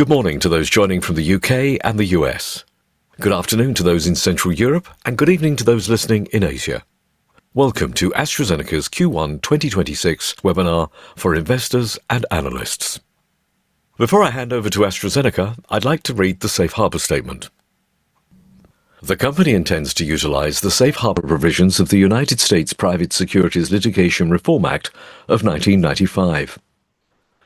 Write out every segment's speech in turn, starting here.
Good morning to those joining from the U.K. and the U.S. Good afternoon to those in Central Europe, and good evening to those listening in Asia. Welcome to AstraZeneca's Q1 2026 webinar for investors and analysts. Before I hand over to AstraZeneca, I'd like to read the Safe Harbor Statement. The company intends to utilize the safe harbor provisions of the United States Private Securities Litigation Reform Act of 1995.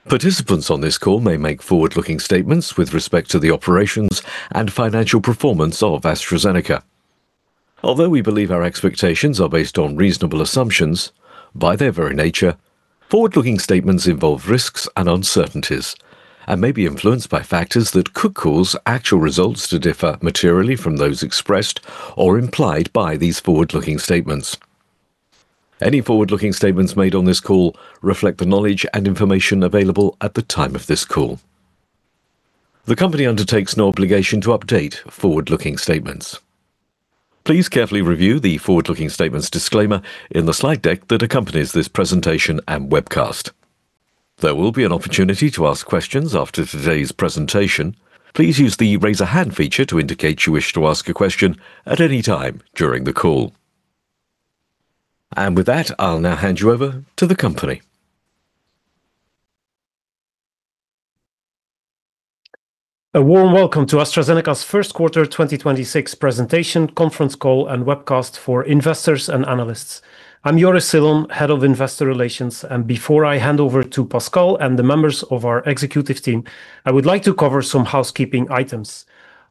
Participants on this call may make forward-looking statements with respect to the operations and financial performance of AstraZeneca. Although we believe our expectations are based on reasonable assumptions, by their very nature, forward-looking statements involve risks and uncertainties and may be influenced by factors that could cause actual results to differ materially from those expressed or implied by these forward-looking statements. Any forward-looking statements made on this call reflect the knowledge and information available at the time of this call. The company undertakes no obligation to update forward-looking statements. Please carefully review the forward-looking statements disclaimer in the slide deck that accompanies this presentation and webcast. There will be an opportunity to ask questions after today's presentation. Please use the Raise a Hand feature to indicate you wish to ask a question at any time during the call. With that, I'll now hand you over to the company. A warm welcome to AstraZeneca's Q1 2026 presentation conference call and webcast for investors and analysts. I'm Joris Silon, Head of Investor Relations. Before I hand over to Pascal and the members of our executive team, I would like to cover some housekeeping items.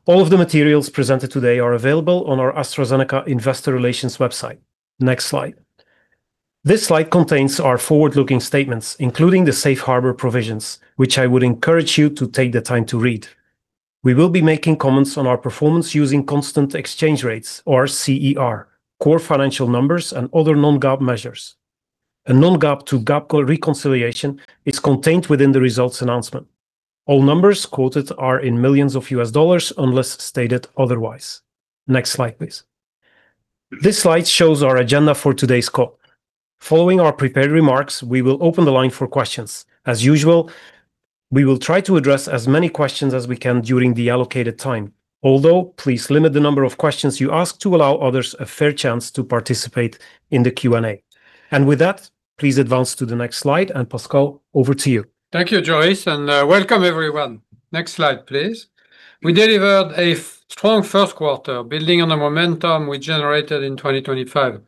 All of the materials presented today are available on our AstraZeneca investor relations website. Next slide. This slide contains our forward-looking statements, including the safe harbor provisions, which I would encourage you to take the time to read. We will be making comments on our performance using constant exchange rates or CER, core financial numbers and other non-GAAP measures. A non-GAAP to GAAP reconciliation is contained within the results announcement. All numbers quoted are in millions of U.S. dollars, unless stated otherwise. Next slide, please. This slide shows our agenda for today's call. Following our prepared remarks, we will open the line for questions. As usual, we will try to address as many questions as we can during the allocated time. Please limit the number of questions you ask to allow others a fair chance to participate in the Q&A. With that, please advance to the next slide. Pascal, over to you. Thank you, Joris. Welcome everyone. Next slide, please. We delivered a strong Q1 building on the momentum we generated in 2025.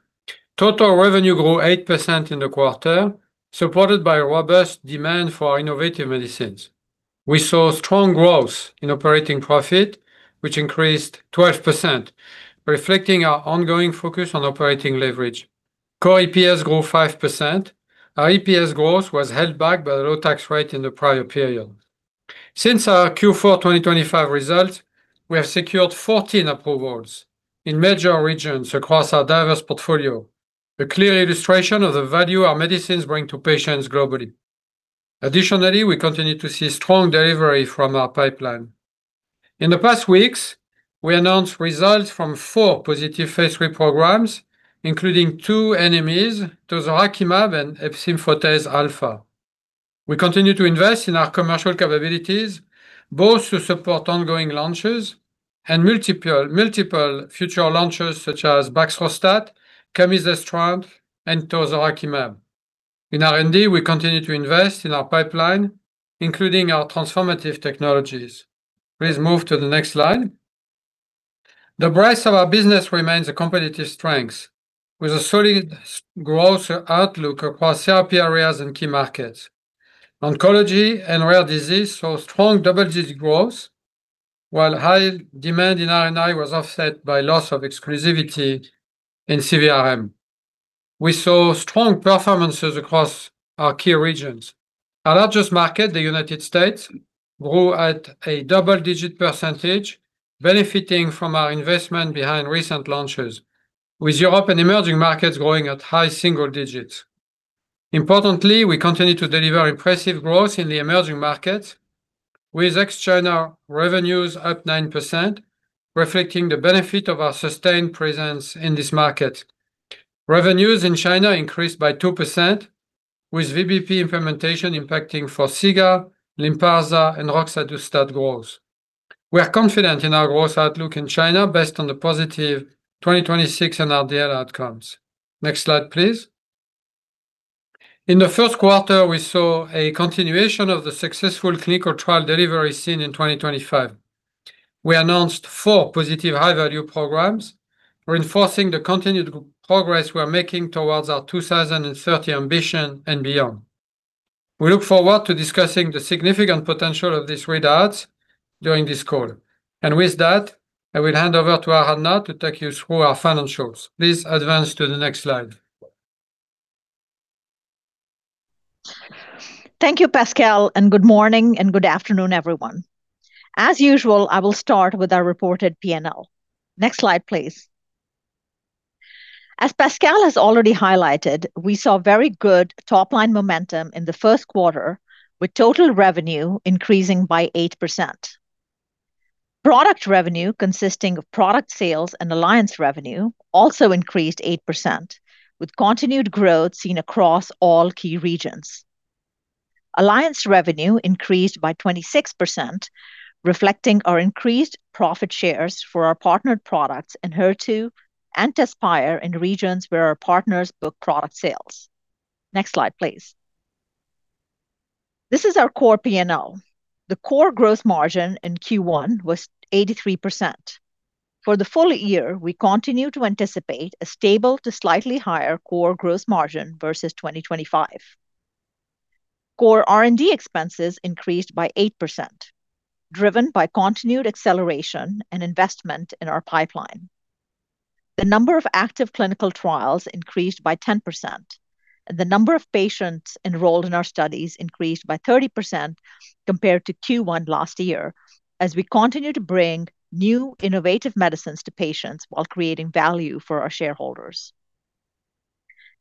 Total revenue grew 8% in the quarter, supported by robust demand for innovative medicines. We saw strong growth in operating profit, which increased 12%, reflecting our ongoing focus on operating leverage. Core EPS grew 5%. Our EPS growth was held back by the low tax rate in the prior period. Since our Q4 2025 results, we have secured 14 approvals in major regions across our diverse portfolio, a clear illustration of the value our medicines bring to patients globally. Additionally, we continue to see strong delivery from our pipeline. In the past weeks, we announced results from four positive phase III programs, including two NMEs, Tozorakimab and efzimfotase alfa. We continue to invest in our commercial capabilities, both to support ongoing launches and multiple future launches such as Baxdrostat, Camizestrant, and Tozorakimab. In R&D, we continue to invest in our pipeline, including our transformative technologies. Please move to the next slide. The breadth of our business remains a competitive strength, with a solid growth outlook across therapy areas and key markets. Oncology and rare disease saw strong double-digit growth, while high demand in R&I was offset by loss of exclusivity in CVRM. We saw strong performances across our key regions. Our largest market, the United States, grew at a double-digit percentage, benefiting from our investment behind recent launches, with Europe and emerging markets growing at high single-digits. Importantly, we continue to deliver impressive growth in the emerging markets, with ex-China revenues up 9%, reflecting the benefit of our sustained presence in this market. Revenues in China increased by 2%, with VBP implementation impacting Forxiga, Lynparza, and Roxadustat growth. We are confident in our growth outlook in China based on the positive 2026 NRDL outcomes. Next slide, please. In the Q1, we saw a continuation of the successful clinical trial delivery seen in 2025. We announced four positive high-value programs, reinforcing the continued progress we're making towards our 2030 ambition and beyond. We look forward to discussing the significant potential of these readouts during this call. With that, I will hand over to Aradhana to take you through our financials. Please advance to the next slide. Thank you, Pascal, and good morning and good afternoon, everyone. As usual, I will start with our reported P&L. Next slide, please. As Pascal has already highlighted, we saw very good top line momentum in the Q1, with total revenue increasing by 8%. Product revenue consisting of product sales and alliance revenue also increased 8%, with continued growth seen across all key regions. Alliance revenue increased by 26%, reflecting our increased profit shares for our partnered products in HER2 and Tezspire in regions where our partners book product sales. Next slide, please. This is our core P&L. The core growth margin in Q1 was 83%. For the full year, we continue to anticipate a stable to slightly higher core growth margin versus 2025. Core R&D expenses increased by 8%, driven by continued acceleration and investment in our pipeline. The number of active clinical trials increased by 10%, and the number of patients enrolled in our studies increased by 30% compared to Q1 last year as we continue to bring new innovative medicines to patients while creating value for our shareholders.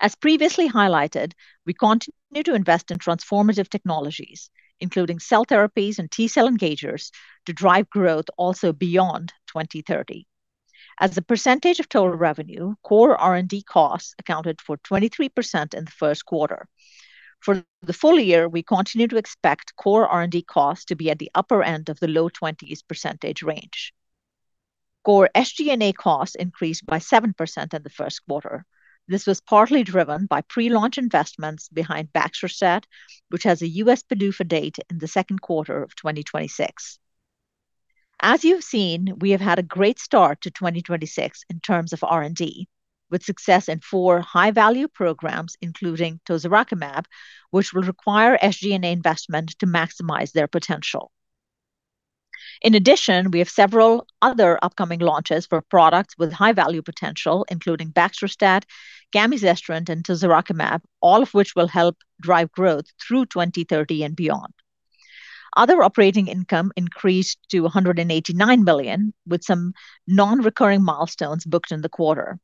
As previously highlighted, we continue to invest in transformative technologies, including cell therapies and T-cell engagers to drive growth also beyond 2030. As a percentage of total revenue, core R&D costs accounted for 23% in the Q1. For the full year, we continue to expect core R&D costs to be at the upper end of the low 20s percentage range. Core SG&A costs increased by 7% in the Q1. This was partly driven by pre-launch investments behind Baxdrostat, which has a U.S. PDUFA date in the Q2 of 2026. As you've seen, we have had a great start to 2026 in terms of R&D, with success in four high-value programs, including Tozorakimab, which will require SG&A investment to maximize their potential. In addition, we have several other upcoming launches for products with high-value potential, including Baxdrostat, Camizestrant, and Tozorakimab, all of which will help drive growth through 2030 and beyond. Other operating income increased to $189 million, with some non-recurring milestones booked in the quarter.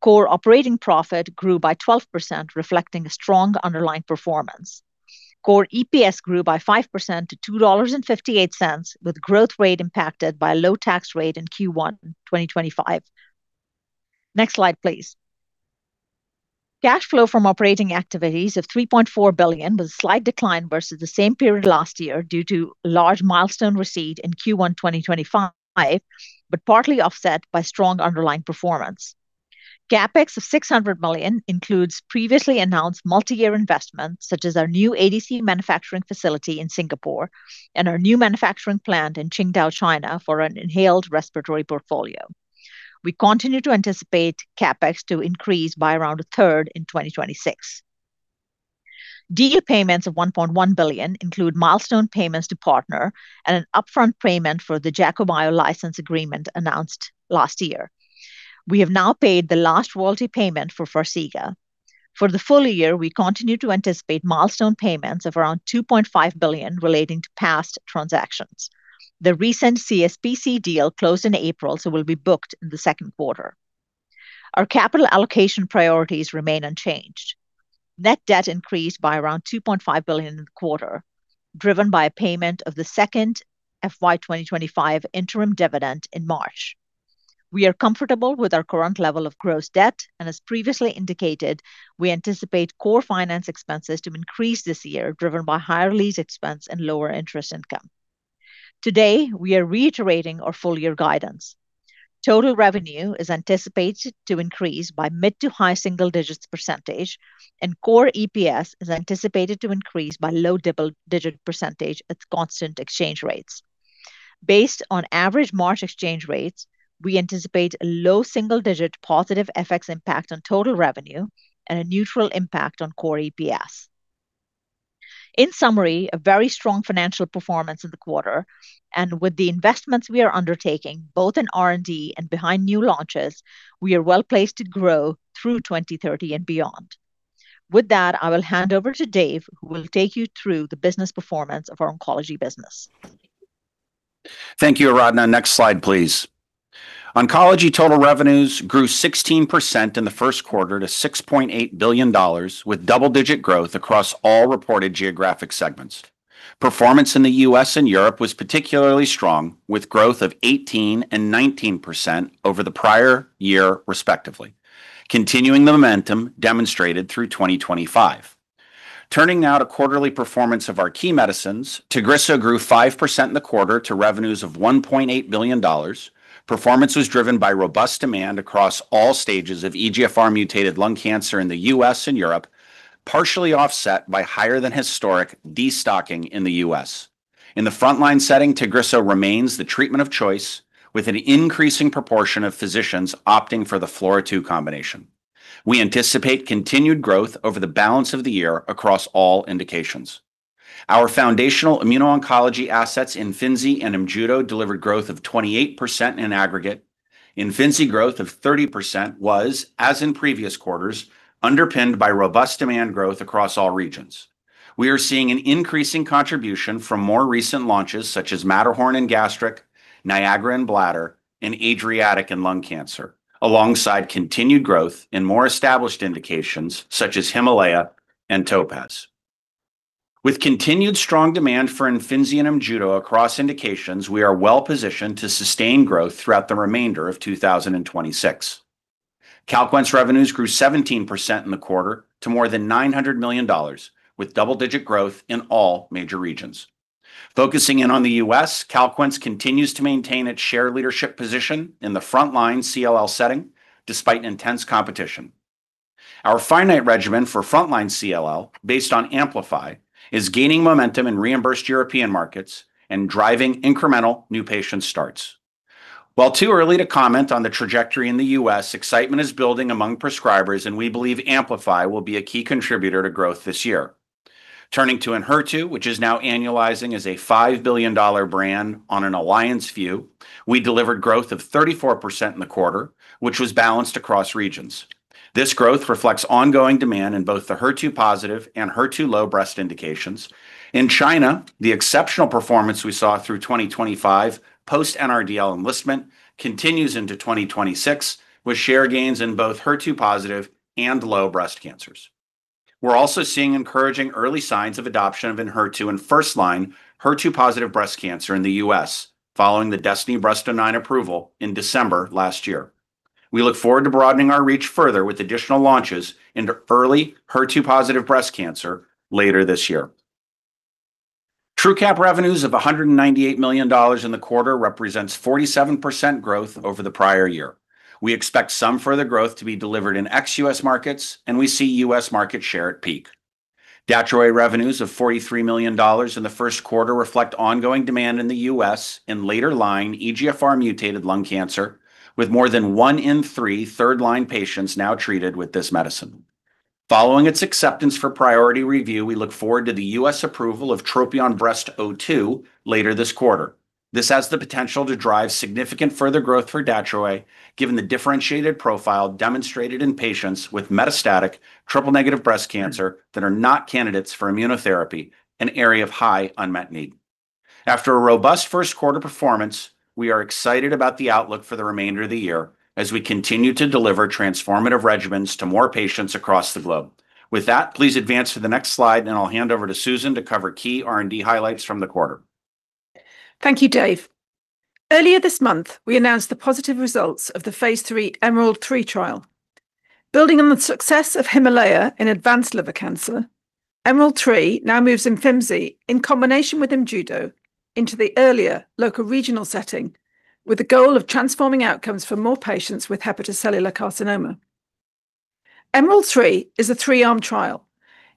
Core operating profit grew by 12%, reflecting a strong underlying performance. Core EPS grew by 5% to $2.58, with growth rate impacted by low tax rate in Q1 2025. Next slide, please. Cash flow from operating activities of $3.4 billion was a slight decline versus the same period last year due to large milestone receipt in Q1 2025, but partly offset by strong underlying performance. CapEx of $600 million includes previously announced multi-year investments, such as our new ADC manufacturing facility in Singapore and our new manufacturing plant in Qingdao, China, for an inhaled respiratory portfolio. We continue to anticipate CapEx to increase by around a third in 2026. Deal payments of $1.1 billion include milestone payments to partner and an upfront payment for the Jacobio license agreement announced last year. We have now paid the last royalty payment for Farxiga. For the full year, we continue to anticipate milestone payments of around $2.5 billion relating to past transactions. The recent CSPC deal closed in April, so will be booked in the Q2. Our capital allocation priorities remain unchanged. Net debt increased by around $2.5 billion in the quarter, driven by a payment of the second FY 2025 interim dividend in March. We are comfortable with our current level of gross debt, and as previously indicated, we anticipate core finance expenses to increase this year, driven by higher lease expense and lower interest income. Today, we are reiterating our full year guidance. Total revenue is anticipated to increase by mid-to-high single-digits percentage, and core EPS is anticipated to increase by low double-digit percentage at constant exchange rates. Based on average March exchange rates, we anticipate a low single-digit positive FX impact on total revenue and a neutral impact on core EPS. In summary, a very strong financial performance in the quarter, and with the investments we are undertaking, both in R&D and behind new launches, we are well-placed to grow through 2030 and beyond. With that, I will hand over to Dave, who will take you through the business performance of our oncology business. Thank you, Aradhana. Next slide, please. Oncology total revenues grew 16% in the Q1 to $6.8 billion, with double-digit growth across all reported geographic segments. Performance in the U.S. and Europe was particularly strong, with growth of 18% and 19% over the prior year, respectively, continuing the momentum demonstrated through 2025. Turning now to quarterly performance of our key medicines, Tagrisso grew 5% in the quarter to revenues of $1.8 billion. Performance was driven by robust demand across all stages of EGFR mutated lung cancer in the U.S. and Europe, partially offset by higher than historic destocking in the U.S. In the frontline setting, Tagrisso remains the treatment of choice, with an increasing proportion of physicians opting for the FLAURA2 combination. We anticipate continued growth over the balance of the year across all indications. Our foundational Immuno-Oncology assets Imfinzi and Imjudo delivered growth of 28% in aggregate. Imfinzi growth of 30% was, as in previous quarters, underpinned by robust demand growth across all regions. We are seeing an increasing contribution from more recent launches such as MATTERHORN in gastric, NIAGARA in bladder, and ADRIATIC in lung cancer, alongside continued growth in more established indications such as HIMALAYA and TOPAZ-1. With continued strong demand for Imfinzi and Imjudo across indications, we are well-positioned to sustain growth throughout the remainder of 2026. Calquence revenues grew 17% in the quarter to more than $900 million, with double-digit growth in all major regions. Focusing in on the U.S., Calquence continues to maintain its share leadership position in the frontline CLL setting despite intense competition. Our finite regimen for frontline CLL based on AMPLIFY is gaining momentum in reimbursed European markets and driving incremental new patient starts. While too early to comment on the trajectory in the U.S., excitement is building among prescribers, and we believe AMPLIFY will be a key contributor to growth this year. Turning to Enhertu, which is now annualizing as a $5 billion brand on an alliance view, we delivered growth of 34% in the quarter, which was balanced across regions. This growth reflects ongoing demand in both the HER2-positive and HER2-low breast indications. In China, the exceptional performance we saw through 2025 post-NRDL enlistment continues into 2026, with share gains in both HER2-positive and low breast cancers. We're also seeing encouraging early signs of adoption of HER2 in first-line HER2 positive breast cancer in the U.S. following the DESTINY-Breast09 approval in December last year. We look forward to broadening our reach further with additional launches into early HER2 positive breast cancer later this year. Truqap revenues of $198 million in the quarter represents 47% growth over the prior year. We expect some further growth to be delivered in ex-U.S. markets, and we see U.S. market share at peak. Datroway revenues of $43 million in the Q1 reflect ongoing demand in the U.S. in later line EGFR-mutated lung cancer, with more than one in three third-line patients now treated with this medicine. Following its acceptance for priority review, we look forward to the U.S. approval of TROPION-Breast02 later this quarter. This has the potential to drive significant further growth for Datroway, given the differentiated profile demonstrated in patients with metastatic triple-negative breast cancer that are not candidates for immunotherapy, an area of high unmet need. After a robust Q1 performance, we are excited about the outlook for the remainder of the year as we continue to deliver transformative regimens to more patients across the globe. With that, please advance to the next slide, and I'll hand over to Susan to cover key R&D highlights from the quarter. Thank you, Dave. Earlier this month, we announced the positive results of the phase III EMERALD-3 trial. Building on the success of HIMALAYA in advanced liver cancer, EMERALD-3 now moves Imfinzi in combination with Imjudo into the earlier local regional setting with the goal of transforming outcomes for more patients with hepatocellular carcinoma. EMERALD-3 is a three-arm trial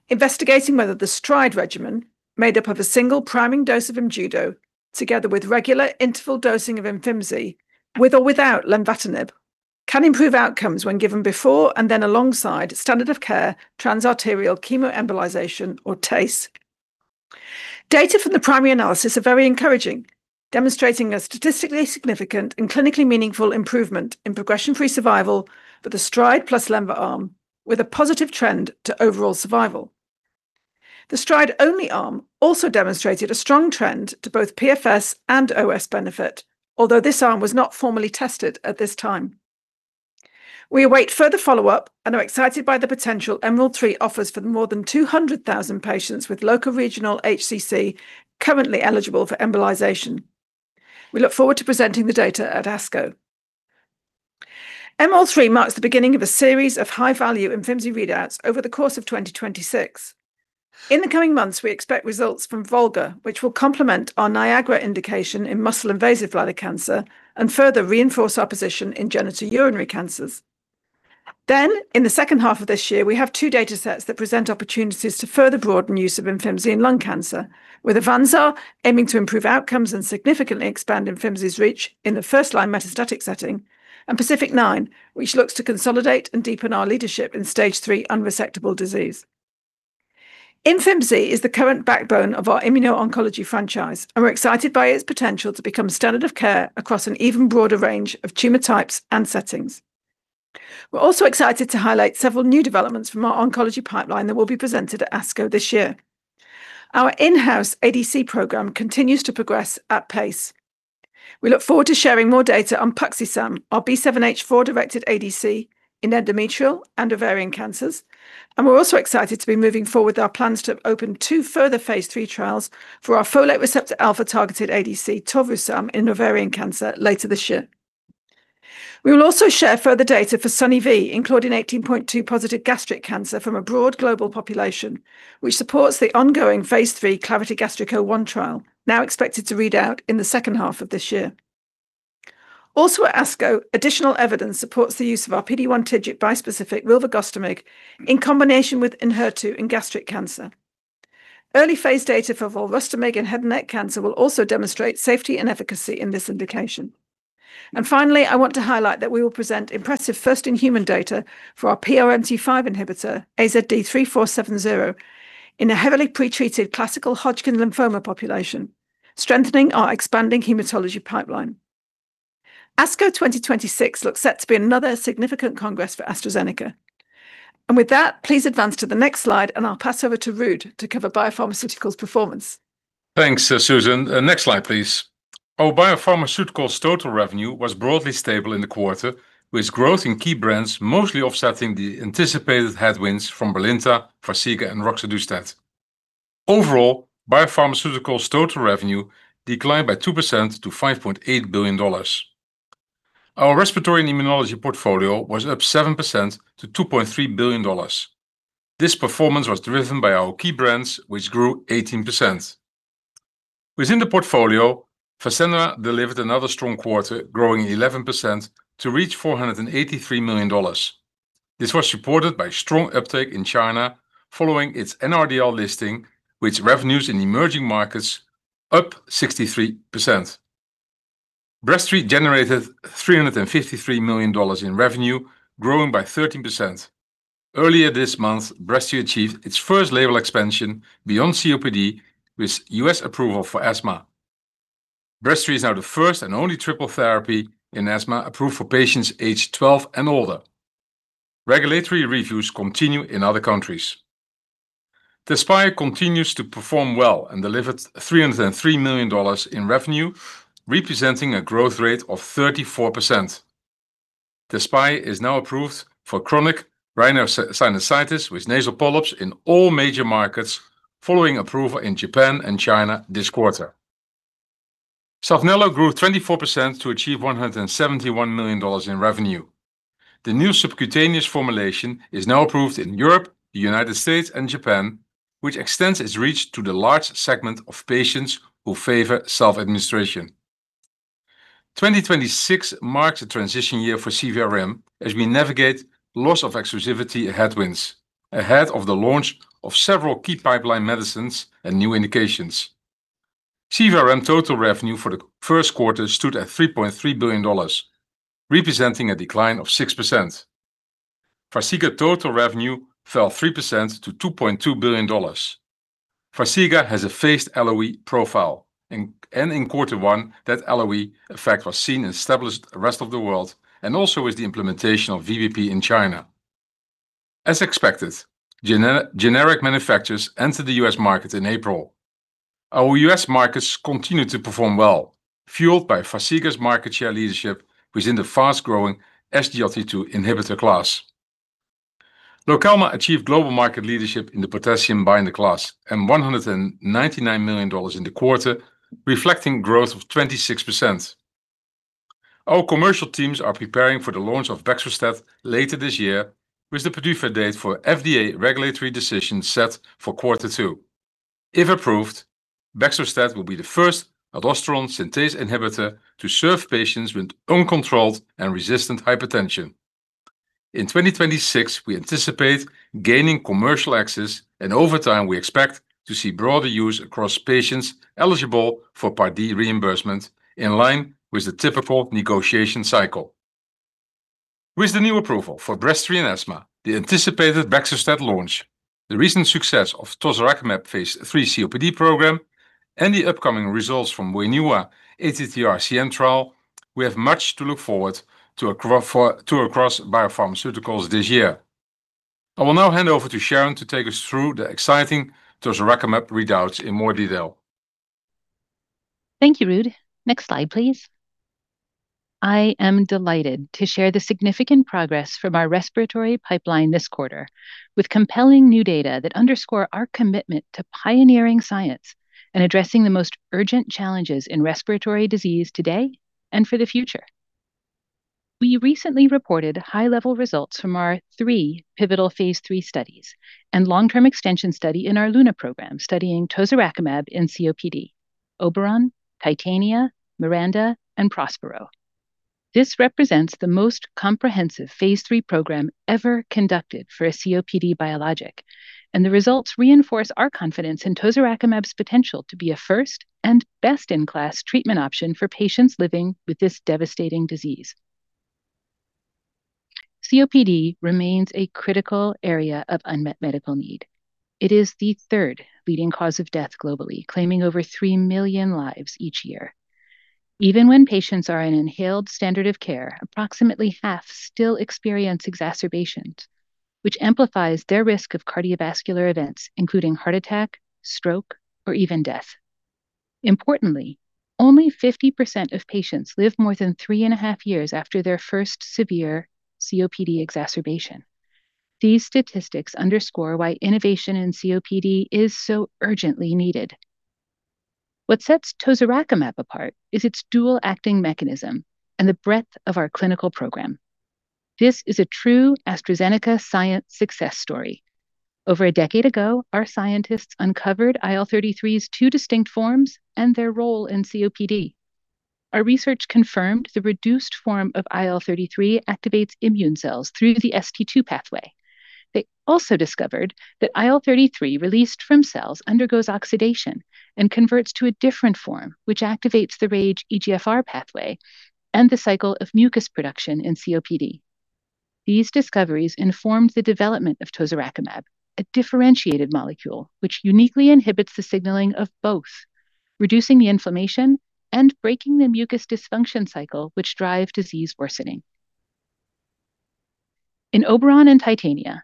investigating whether the STRIDE regimen made up of a single priming dose of Imjudo together with regular interval dosing of Imfinzi with or without lenvatinib can improve outcomes when given before and then alongside standard of care transarterial chemoembolization or TACE. Data from the primary analysis are very encouraging, demonstrating a statistically significant and clinically meaningful improvement in progression-free survival for the STRIDE plus lenva arm with a positive trend to overall survival. The STRIDE-only arm also demonstrated a strong trend to both PFS and OS benefit, although this arm was not formally tested at this time. We await further follow-up and are excited by the potential EMERALD-3 offers for the more than 200,000 patients with local regional HCC currently eligible for embolization. We look forward to presenting the data at ASCO. EMERALD-3 marks the beginning of a series of high-value Imfinzi readouts over the course of 2026. In the coming months, we expect results from VOLGA, which will complement our NIAGARA indication in muscle-invasive bladder cancer and further reinforce our position in genitourinary cancers. In the second half of this year, we have two datasets that present opportunities to further broaden use of Imfinzi in lung cancer, with AVANZAR aiming to improve outcomes and significantly expand Imfinzi's reach in the first-line metastatic setting, and PACIFIC-9, which looks to consolidate and deepen our leadership in stage III unresectable disease. Imfinzi is the current backbone of our immuno-oncology franchise, and we're excited by its potential to become standard of care across an even broader range of tumor types and settings. We're also excited to highlight several new developments from our oncology pipeline that will be presented at ASCO this year. Our in-house ADC program continues to progress at pace. We look forward to sharing more data on puxitatug samrotecan, our B7H4-directed ADC in endometrial and ovarian cancers. We're also excited to be moving forward with our plans to open two further phase III trials for our folate receptor alpha-targeted ADC, AZD5335, in ovarian cancer later this year. We will also share further data for Enhertu, including HER2-positive gastric cancer from a broad global population, which supports the ongoing phase III CLARITY-Gastric 01 trial, now expected to read out in the second half of this year. Also at ASCO, additional evidence supports the use of our PD-1/TIGIT bispecific rilvegostomig in combination with Enhertu in gastric cancer. Early phase data for rilvegostomig in head and neck cancer will also demonstrate safety and efficacy in this indication. Finally, I want to highlight that we will present impressive first-in-human data for our PRMT5 inhibitor, AZD3470, in a heavily pretreated classical Hodgkin lymphoma population, strengthening our expanding hematology pipeline. ASCO 2026 looks set to be another significant congress for AstraZeneca. With that, please advance to the next slide, and I'll pass over to Ruud to cover BioPharmaceuticals' performance. Thanks, Susan. Next slide, please. Our BioPharmaceuticals total revenue was broadly stable in the quarter, with growth in key brands mostly offsetting the anticipated headwinds from Brilinta, Farxiga, and roxadustat. Overall, BioPharmaceuticals total revenue declined by 2% to $5.8 billion. Our respiratory immunology portfolio was up 7% to $2.3 billion. This performance was driven by our key brands, which grew 18%. Within the portfolio, Fasenra delivered another strong quarter, growing 11% to reach $483 million. This was supported by strong uptake in China following its NRDL listing, with revenues in emerging markets up 63%. Breztri generated $353 million in revenue, growing by 13%. Earlier this month, Breztri achieved its first label expansion beyond COPD with U.S. approval for asthma. Breztri is now the first and only triple therapy in asthma approved for patients aged 12 and older. Regulatory reviews continue in other countries. Tezspire continues to perform well and delivered $303 million in revenue, representing a growth rate of 34%. Tezspire is now approved for chronic rhinosinusitis with nasal polyps in all major markets following approval in Japan and China this quarter. Saphnelo grew 24% to achieve $171 million in revenue. The new subcutaneous formulation is now approved in Europe, the U.S., and Japan, which extends its reach to the large segment of patients who favor self-administration. 2026 marks a transition year for CVRM as we navigate loss of exclusivity headwinds ahead of the launch of several key pipeline medicines and new indications. CVRM total revenue for the Q1 stood at $3.3 billion, representing a decline of 6%. Farxiga total revenue fell 3% to $2.2 billion. Farxiga has a phased LOE profile and in Q1, that LOE effect was seen and established the rest of the world, and also with the implementation of VBP in China. As expected, generic manufacturers entered the U.S. market in April. Our U.S. markets continue to perform well, fueled by Farxiga's market share leadership within the fast-growing SGLT2 inhibitor class. Lokelma achieved global market leadership in the potassium binder class and $199 million in the quarter, reflecting growth of 26%. Our commercial teams are preparing for the launch of Baxdrostat later this year, with the PDUFA date for FDA regulatory decisions set for Q2. If approved, Baxdrostat will be the first aldosterone synthase inhibitor to serve patients with uncontrolled and resistant hypertension. In 2026, we anticipate gaining commercial access, and over time, we expect to see broader use across patients eligible for Part D reimbursement in line with the typical negotiation cycle. With the new approval for Breztri in asthma, the anticipated Baxdrostat launch, the recent success of Tozorakimab phase III COPD program, and the upcoming results from Wainua ATTR-CM trial, we have much to look forward to across BioPharmaceuticals this year. I will now hand over to Sharon to take us through the exciting Tozorakimab readouts in more detail. Thank you, Ruud. Next slide, please. I am delighted to share the significant progress from our respiratory pipeline this quarter with compelling new data that underscore our commitment to pioneering science and addressing the most urgent challenges in respiratory disease today and for the future. We recently reported high-level results from our three pivotal phase III studies and long-term extension study in our LUNA program studying Tozorakimab in COPD, Oberon, TITANIA, MIRANDA, and PROSPERO. This represents the most comprehensive phase III program ever conducted for a COPD biologic, and the results reinforce our confidence in Tozorakimab's potential to be a first and best-in-class treatment option for patients living with this devastating disease. COPD remains a critical area of unmet medical need. It is the third leading cause of death globally, claiming over three million lives each year. Even when patients are on inhaled standard of care, approximately half still experience exacerbations, which amplifies their risk of cardiovascular events, including heart attack, stroke, or even death. Importantly, only 50% of patients live more than 3.5 years after their first severe COPD exacerbation. These statistics underscore why innovation in COPD is so urgently needed. What sets Tozorakimab apart is its dual-acting mechanism and the breadth of our clinical program. This is a true AstraZeneca science success story. Over a decade ago, our scientists uncovered IL-33's two distinct forms and their role in COPD. Our research confirmed the reduced form of IL-33 activates immune cells through the ST2 pathway. They also discovered that IL-33 released from cells undergoes oxidation and converts to a different form, which activates the RAGE/EGFR pathway and the cycle of mucus production in COPD. These discoveries informed the development of Tozorakimab, a differentiated molecule which uniquely inhibits the signaling of both, reducing the inflammation and breaking the mucus dysfunction cycle which drive disease worsening. In OBERON and TITANIA,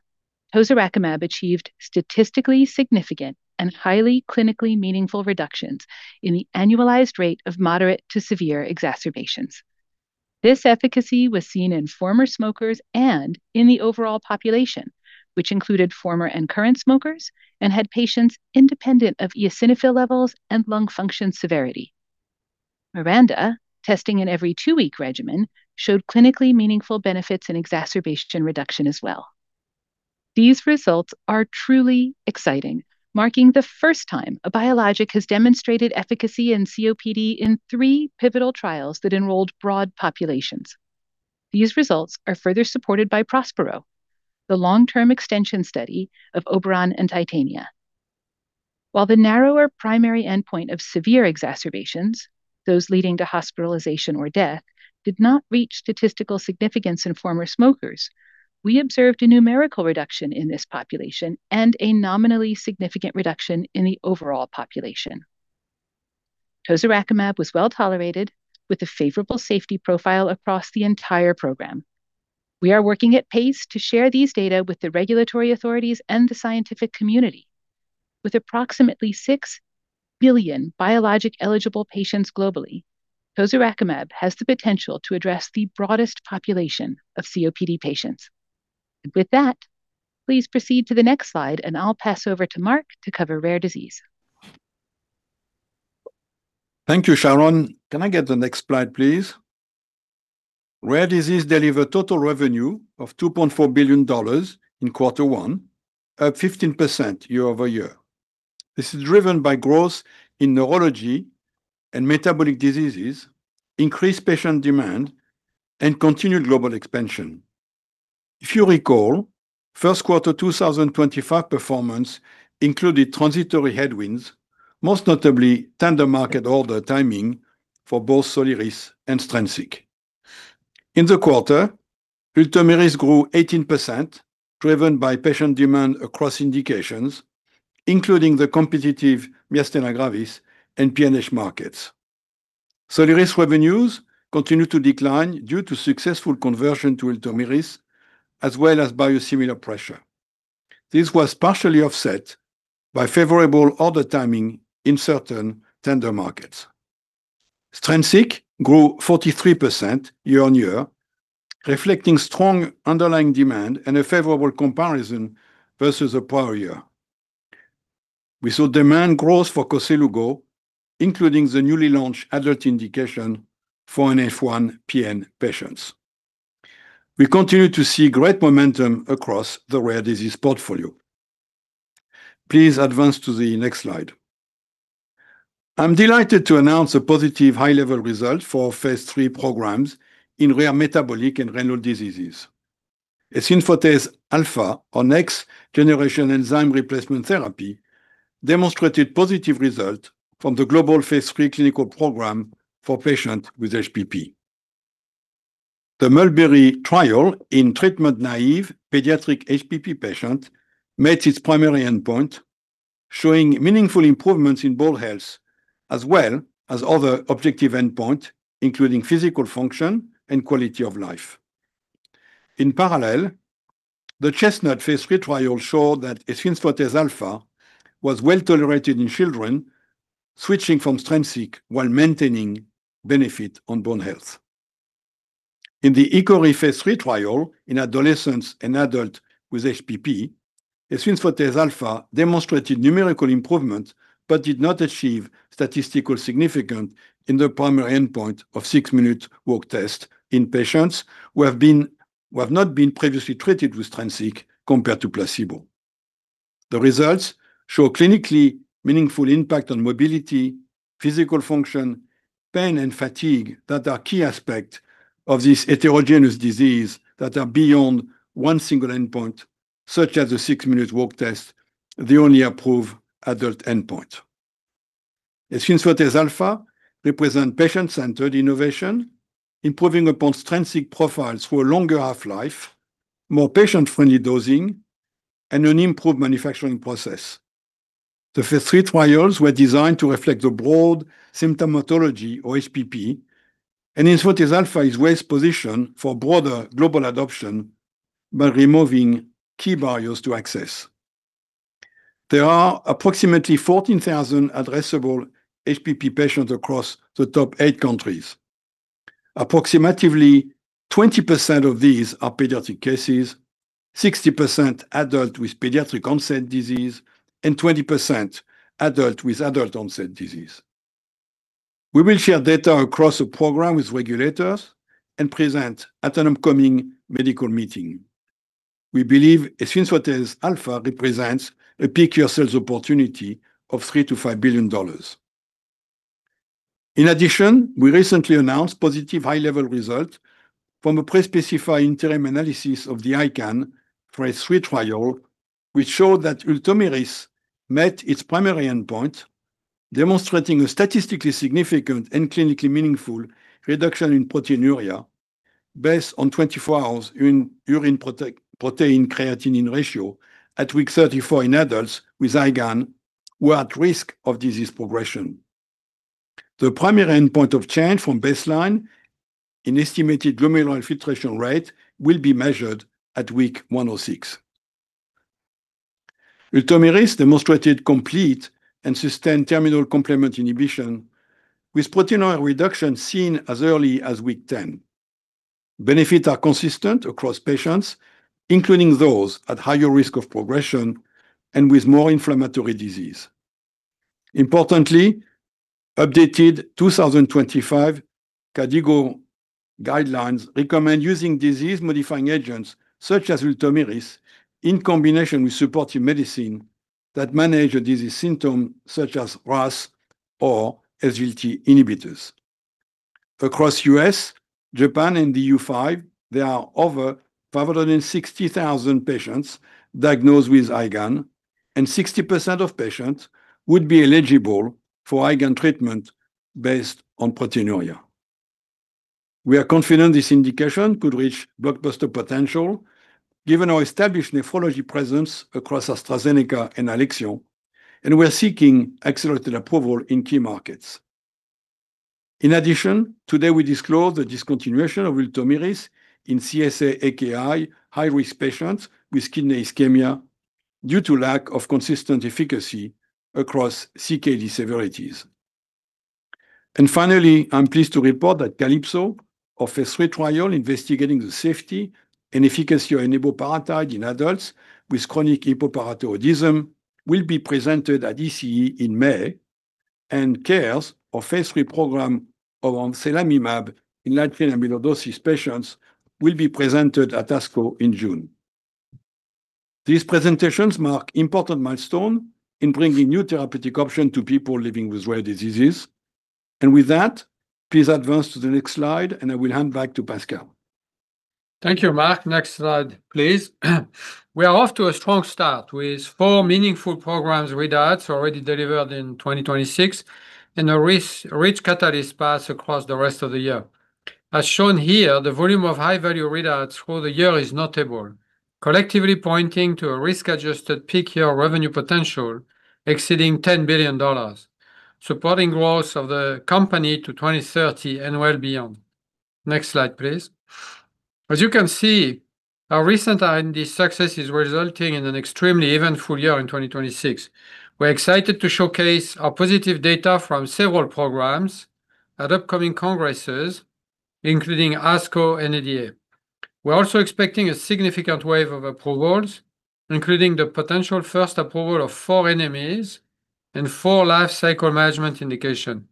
Tozorakimab achieved statistically significant and highly clinically meaningful reductions in the annualized rate of moderate to severe exacerbations. This efficacy was seen in former smokers and in the overall population, which included former and current smokers and had patients independent of eosinophil levels and lung function severity. MIRANDA, testing in every two week regimen, showed clinically meaningful benefits in exacerbation reduction as well. These results are truly exciting, marking the first time a biologic has demonstrated efficacy in COPD in three pivotal trials that enrolled broad populations. These results are further supported by PROSPERO, the long-term extension study of OBERON and TITANIA. While the narrower primary endpoint of severe exacerbations, those leading to hospitalization or death, did not reach statistical significance in former smokers, we observed a numerical reduction in this population and a nominally significant reduction in the overall population. Tozorakimab was well-tolerated with a favorable safety profile across the entire program. We are working at pace to share these data with the regulatory authorities and the scientific community. With approximately six billion biologic-eligible patients globally, Tozorakimab has the potential to address the broadest population of COPD patients. Please proceed to the next slide, and I'll pass over to Marc to cover rare disease. Thank you, Sharon. Can I get the next slide, please? Rare disease delivered total revenue of $2.4 billion in Q1, up 15% year-over-year. This is driven by growth in neurology and metabolic diseases, increased patient demand, and continued global expansion. If you recall, Q1 2025 performance included transitory headwinds, most notably tender market order timing for both Soliris and Strensiq. In the quarter, Ultomiris grew 18%, driven by patient demand across indications, including the competitive myasthenia gravis and PNH markets. Soliris revenues continued to decline due to successful conversion to Ultomiris, as well as biosimilar pressure. This was partially offset by favorable order timing in certain tender markets. Strensiq grew 43% year-on-year, reflecting strong underlying demand and a favorable comparison versus the prior year. We saw demand growth for Koselugo, including the newly launched adult indication for NF1 PN patients. We continue to see great momentum across the rare disease portfolio. Please advance to the next slide. I'm delighted to announce a positive high-level result for our phase III programs in rare metabolic and renal diseases. efzimfotase alfa, our next-generation enzyme replacement therapy, demonstrated positive result from the global phase III clinical program for patient with HPP. The Mulberry trial in treatment-naïve pediatric HPP patient met its primary endpoint, showing meaningful improvements in bone health as well as other objective endpoint, including physical function and quality of life. In parallel, the Chestnut phase III trial showed that efzimfotase alfa was well-tolerated in children, switching from Strensiq while maintaining benefit on bone health. In the HICKORY phase III trial in adolescents and adult with HPP, efzimfotase alfa demonstrated numerical improvement but did not achieve statistical significance in the primary endpoint of six-minute walk test in patients who have not been previously treated with Strensiq compared to placebo. The results show clinically meaningful impact on mobility, physical function, pain, and fatigue that are key aspects of this heterogeneous disease that are beyond one single endpoint, such as a six-minute walk test, the only approved adult endpoint. efzimfotase alfa represents patient-centered innovation, improving upon Strensiq profiles for a longer half-life, more patient-friendly dosing, and an improved manufacturing process. The phase III trials were designed to reflect the broad symptomatology of HPP, efzimfotase alfa is well-positioned for broader global adoption by removing key barriers to access. There are approximately 14,000 addressable HPP patients across the top eight countries. Approximately 20% of these are pediatric cases, 60% adult with pediatric-onset disease, and 20% adult with adult-onset disease. We will share data across the program with regulators and present at an upcoming medical meeting. We believe efzimfotase alfa represents a peak year sales opportunity of $3 billion-$5 billion. In addition, we recently announced positive high-level result from a pre-specified interim analysis of the ICAN phase III trial, which showed that Ultomiris met its primary endpoint, demonstrating a statistically significant and clinically meaningful reduction in proteinuria based on 24 hours in urine protein creatinine ratio at week 34 in adults with IgAN who are at risk of disease progression. The primary endpoint of change from baseline in estimated glomerular filtration rate will be measured at week 106. Ultomiris demonstrated complete and sustained terminal complement inhibition, with proteinuria reduction seen as early as week 10. Benefits are consistent across patients, including those at higher risk of progression and with more inflammatory disease. Importantly, updated 2025 KDIGO guidelines recommend using disease-modifying agents such as Ultomiris in combination with supportive medicine that manage a disease symptom such as RAS or SGLT inhibitors. Across U.S., Japan, and the EU5, there are over 560,000 patients diagnosed with IgAN, and 60% of patients would be eligible for IgAN treatment based on proteinuria. We are confident this indication could reach blockbuster potential given our established nephrology presence across AstraZeneca and Alexion, and we are seeking accelerated approval in key markets. Today we disclosed the discontinuation of Ultomiris in CSA-AKI high-risk patients with kidney ischemia due to lack of consistent efficacy across CKD severities. Finally, I'm pleased to report that CALYPSO, a phase III trial investigating the safety and efficacy of eneboparatide in adults with chronic hypoparathyroidism, will be presented at ECE in May, and CARES, our phase III program around selamimab in light chain amyloidosis patients, will be presented at ASCO in June. These presentations mark important milestone in bringing new therapeutic option to people living with rare diseases. With that, please advance to the next slide, and I will hand back to Pascal. Thank you, Marc. Next slide, please. We are off to a strong start with four meaningful programs readouts already delivered in 2026 and a risk-rich catalyst path across the rest of the year. As shown here, the volume of high-value readouts for the year is notable, collectively pointing to a risk-adjusted peak year revenue potential exceeding $10 billion, supporting growth of the company to 2030 and well beyond. Next slide, please. As you can see, our recent R&D success is resulting in an extremely eventful year in 2026. We're excited to showcase our positive data from several programs at upcoming congresses, including ASCO and ADA. We're also expecting a significant wave of approvals, including the potential first approval of four NMEs and four lifecycle management indication.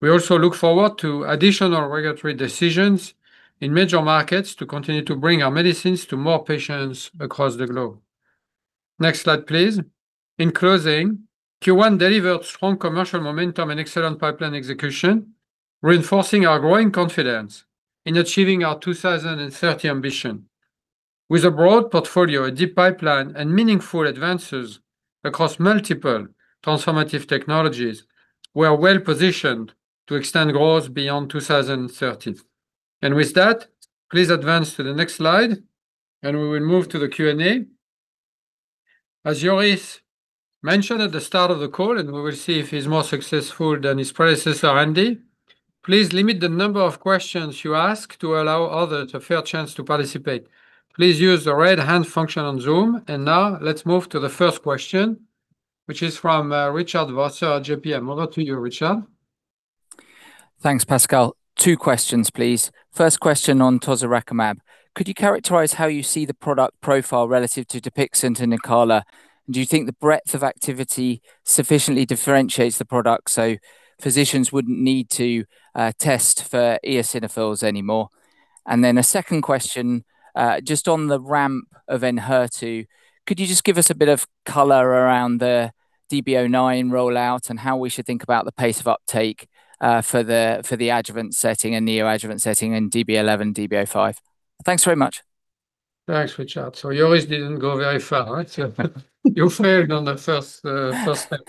We also look forward to additional regulatory decisions in major markets to continue to bring our medicines to more patients across the globe. Next slide, please. In closing, Q1 delivered strong commercial momentum and excellent pipeline execution, reinforcing our growing confidence in achieving our 2030 ambition. With a broad portfolio, a deep pipeline, and meaningful advances across multiple transformative technologies, we are well-positioned to extend growth beyond 2030. With that, please advance to the next slide, and we will move to the Q&A. As Joris mentioned at the start of the call, and we will see if he's more successful than his predecessor, Andy, please limit the number of questions you ask to allow others a fair chance to participate. Please use the raise hand function on Zoom. Now let's move to the first question, which is from Richard Vosser at JPM. Over to you, Richard. Thanks, Pascal. Two questions, please. First question on Tozorakimab. Could you characterize how you see the product profile relative to Dupixent and Nucala? Do you think the breadth of activity sufficiently differentiates the product so physicians wouldn't need to test for eosinophils anymore? A second question, just on the ramp of Enhertu. Could you just give us a bit of color around the DB-09 rollout and how we should think about the pace of uptake for the adjuvant setting and neoadjuvant setting and DB-11, DB-05? Thanks very much. Thanks, Richard. Joris didn't go very far, right? You failed on the first step.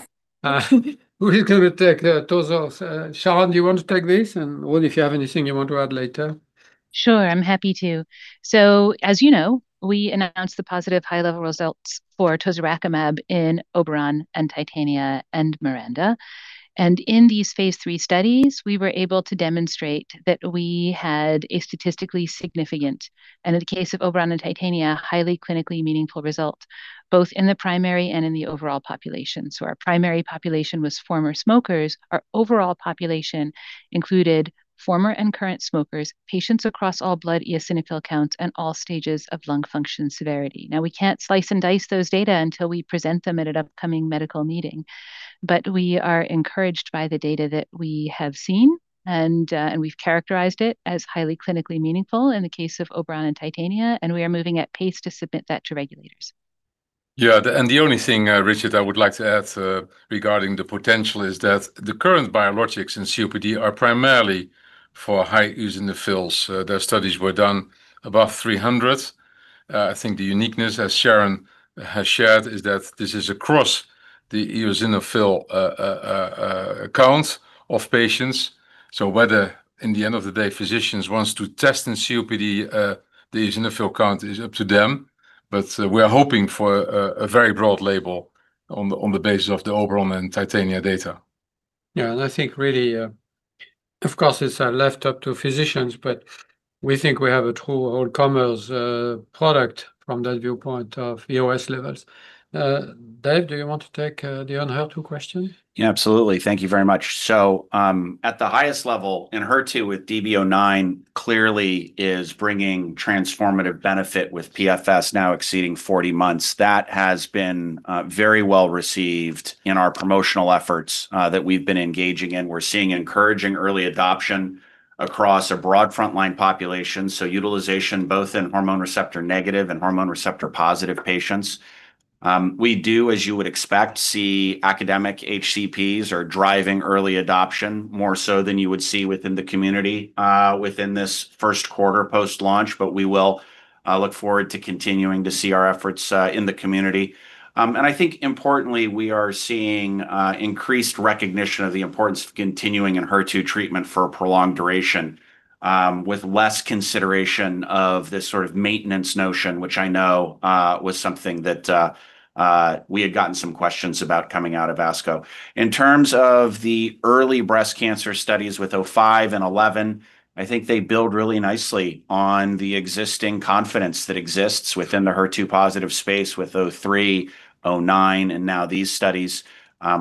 Who is going to take the tozo? Sharon, do you want to take this? Ruud, if you have anything you want to add later. Sure, I'm happy to. As you know, we announced the positive high-level results for Tozorakimab in OBERON and TITANIA and MIRANDA. In these phase III studies, we were able to demonstrate that we had a statistically significant, and in the case of OBERON and TITANIA, highly clinically meaningful result, both in the primary and in the overall population. Our primary population was former smokers. Our overall population included former and current smokers, patients across all blood eosinophil counts, and all stages of lung function severity. Now, we can't slice and dice those data until we present them at an upcoming medical meeting. We are encouraged by the data that we have seen, and we've characterized it as highly clinically meaningful in the case of OBERON and TITANIA, and we are moving at pace to submit that to regulators. The only thing, Richard, I would like to add, regarding the potential is that the current biologics in COPD are primarily for high eosinophils. Their studies were done above 300. I think the uniqueness, as Sharon has shared, is that this is across the eosinophil count of patients. Whether in the end of the day physicians wants to test in COPD, these neutrophil count is up to them. We are hoping for a very broad label on the basis of the OBERON and TITANIA data. Yeah. I think really, of course, it's left up to physicians, but we think we have a true all-comers product from that viewpoint of EOS levels. Dave, do you want to take the HER2 question? Yeah, absolutely. Thank you very much. At the highest level in HER2 with DB-09 clearly is bringing transformative benefit with PFS now exceeding 40 months. That has been very well-received in our promotional efforts that we've been engaging in. We're seeing encouraging early adoption across a broad frontline population, so utilization both in hormone receptor negative and hormone receptor-positive patients. We do, as you would expect, see academic HCPs are driving early adoption more so than you would see within the community within this Q1 post-launch. We will look forward to continuing to see our efforts in the community. I think importantly, we are seeing increased recognition of the importance of continuing in HER2 treatment for a prolonged duration, with less consideration of this sort of maintenance notion, which I know was something that we had gotten some questions about coming out of ASCO. In terms of the early breast cancer studies with five and 11, I think they build really nicely on the existing confidence that exists within the HER2 positive space with three, nine, and now these studies.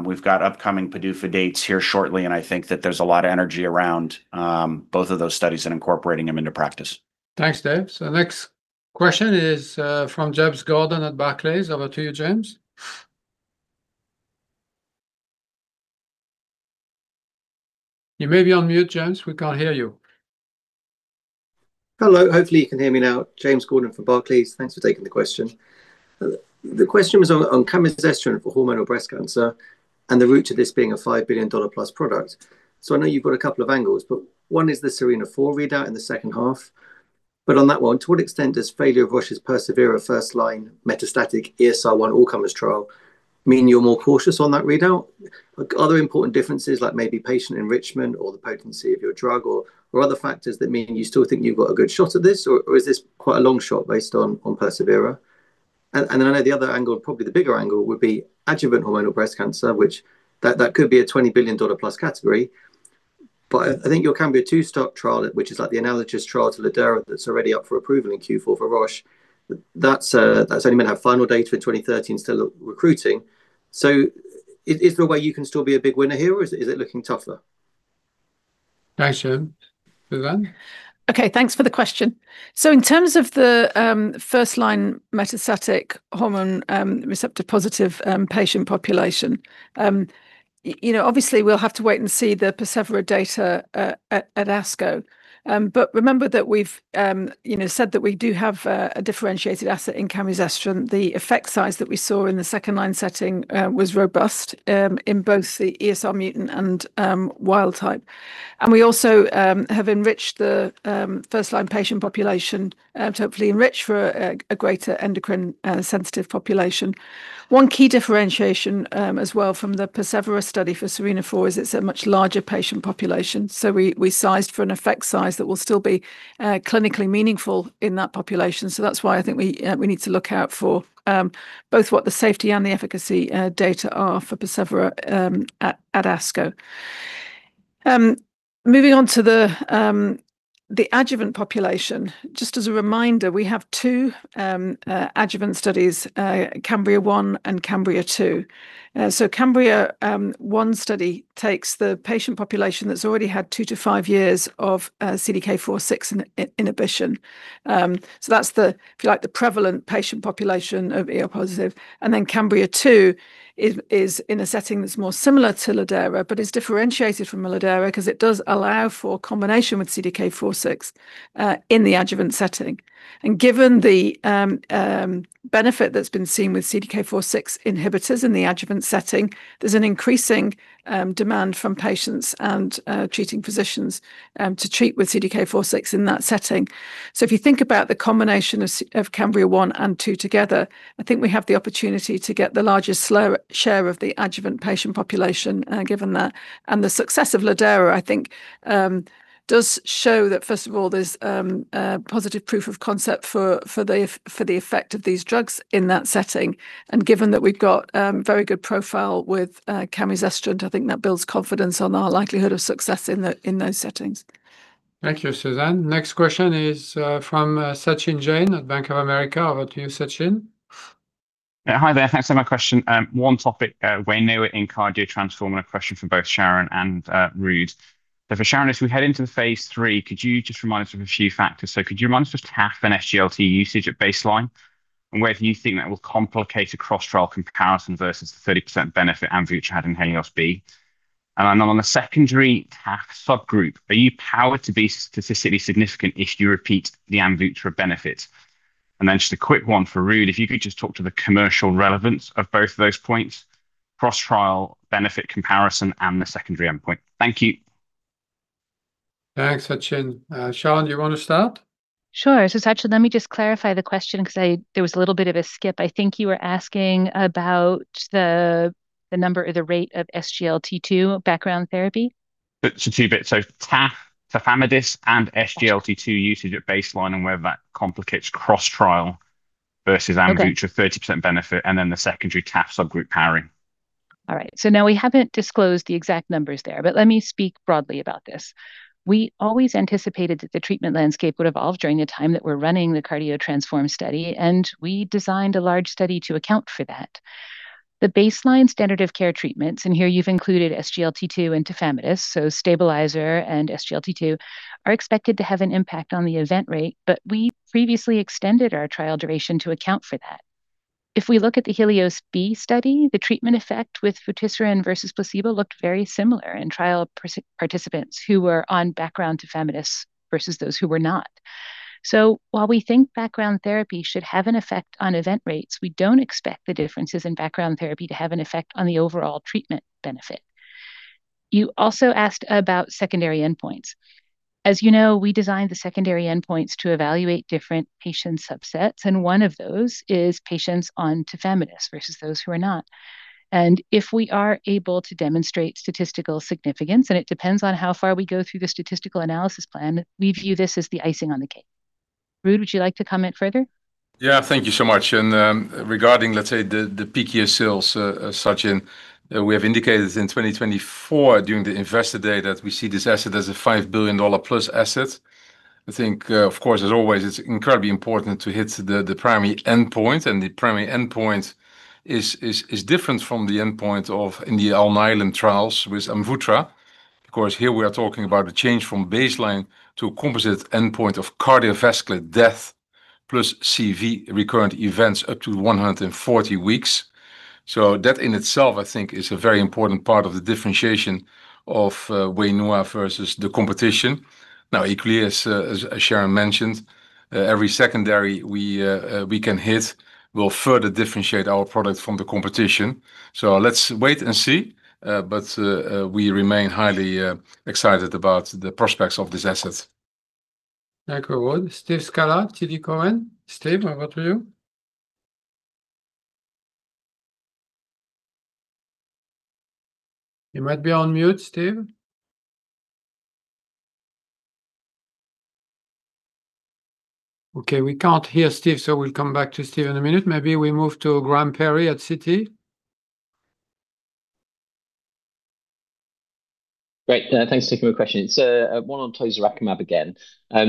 We've got upcoming PDUFA dates here shortly, and I think that there's a lot of energy around both of those studies and incorporating them into practice. Thanks, Dave. Next question is from James Gordon at Barclays. Over to you, James. You may be on mute, James. We can't hear you. Hello. Hopefully you can hear me now. James Gordon from Barclays. Thanks for taking the question. The question was on camizestrant for hormonal breast cancer and the route to this being a $5 billion plus product. I know you've got a couple of angles, but one is the SERENA-4 readout in the second half. On that one, to what extent does failure of Roche's PERSEVERA first line metastatic ESR1 all-comers trial mean you're more cautious on that readout? Are there important differences like maybe patient enrichment or the potency of your drug or other factors that mean you still think you've got a good shot at this, or is this quite a long shot based on PERSEVERA? I know the other angle, probably the bigger angle, would be adjuvant hormonal breast cancer, which that could be a $20 billion+ category. I think your CAMBRIA-2 trial, which is like the analogous trial to lidERA that's already up for approval in Q4 for Roche, that's only meant to have final data in 2013. It's still recruiting. Is there a way you can still be a big winner here, or is it looking tougher? Thanks, James. Susan. Thanks for the question. In terms of the first-line metastatic hormone receptor-positive patient population, you know, obviously we'll have to wait and see the PERSEVERA data at ASCO. Remember that we've, you know, said that we do have a differentiated asset in Camizestrant. The effect size that we saw in the second-line setting was robust in both the ESR mutant and wild type. We also have enriched the first-line patient population to hopefully enrich for a greater endocrine sensitive population. One key differentiation as well from the PERSEVERA study for SERENA-4 is it's a much larger patient population. We sized for an effect size that will still be clinically meaningful in that population. That's why I think we need to look out for both what the safety and the efficacy data are for PERSEVERA at ASCO. Moving on to the adjuvant population. Just as a reminder, we have two adjuvant studies, CAMBRIA-1 and CAMBRIA-2. CAMBRIA one study takes the patient population that's already had two to five years of CDK4/6 inhibition. That's the, if you like, the prevalent patient population of ER positive. CAMBRIA-2 is in a setting that's more similar to lidERA, but is differentiated from lidERA 'cause it does allow for combination with CDK4/6 in the adjuvant setting. Given the benefit that's been seen with CDK4/6 inhibitors in the adjuvant setting, there's an increasing demand from patients and treating physicians to treat with CDK4/6 in that setting. If you think about the combination of CAMBRIA-1 and CAMBRIA-2 together, I think we have the opportunity to get the largest share of the adjuvant patient population given that. The success of lidERA, I think, does show that first of all, there's positive proof of concept for the effect of these drugs in that setting. Given that we've got very good profile with Camizestrant, I think that builds confidence on our likelihood of success in those settings. Thank you, Susan. Next question is from Sachin Jain at Bank of America. Over to you, Sachin. Hi there. Thanks for my question. One topic, way newer in Cardio Transform and a question for both Sharon and Ruud. For Sharon, as we head into the phase III, could you just remind us of a few factors? Could you remind us of TAF and SGLT usage at baseline and whether you think that will complicate a cross-trial comparison versus the 30% benefit Amvuttra had in HELIOS-B? On the secondary TAF subgroup, are you powered to be statistically significant if you repeat the Amvuttra benefit? Just a quick one for Ruud. If you could just talk to the commercial relevance of both of those points, cross-trial benefit comparison and the secondary endpoint. Thank you. Thanks, Sachin. Sharon, do you want to start? Sure. Sachin, let me just clarify the question because there was a little bit of a skip. I think you were asking about the number or the rate of SGLT2 background therapy. Two bits. Tafamidis and SGLT2 usage at baseline, and whether that complicates cross-trial versus. Okay Amvuttra 30% benefit, and then the secondary taf subgroup powering. All right. No, we haven't disclosed the exact numbers there. Let me speak broadly about this. We always anticipated that the treatment landscape would evolve during the time that we're running the Cardio Transform study. We designed a large study to account for that. The baseline standard of care treatments, here you've included SGLT2 and tafamidis, so stabilizer and SGLT2, are expected to have an impact on the event rate. We previously extended our trial duration to account for that. If we look at the HELIOS-B study, the treatment effect with vutrisiran versus placebo looked very similar in trial participants who were on background tafamidis versus those who were not. While we think background therapy should have an effect on event rates, we don't expect the differences in background therapy to have an effect on the overall treatment benefit. You also asked about secondary endpoints. As you know, we designed the secondary endpoints to evaluate different patient subsets, and one of those is patients on tafamidis versus those who are not. And if we are able to demonstrate statistical significance, and it depends on how far we go through the statistical analysis plan, we view this as the icing on the cake. Ruud, would you like to comment further? Yeah, thank you so much. Regarding, let's say, the peak year sales, Sachin, we have indicated in 2024 during the investor day that we see this asset as a $5 billion plus asset. I think, of course, as always, it's incredibly important to hit the primary endpoint. The primary endpoint is different from the endpoint of in the Alnylam trials with Amvuttra. Of course, here we are talking about a change from baseline to a composite endpoint of cardiovascular death plus CV recurrent events up to 140 weeks. That in itself, I think, is a very important part of the differentiation of Wainua versus the competition. Now equally, as Sharon mentioned, every secondary we can hit will further differentiate our product from the competition. Let's wait and see, but we remain highly excited about the prospects of this asset. Thank you, Ruud. Steve Scala, TD Cowen. Steve, over to you. You might be on mute, Steve. Okay, we can't hear Steve, so we'll come back to Steve in a minute. Maybe we move to Graham Parry at Citi. Great. Thanks, taking my question. It's one on Tozorakimab again.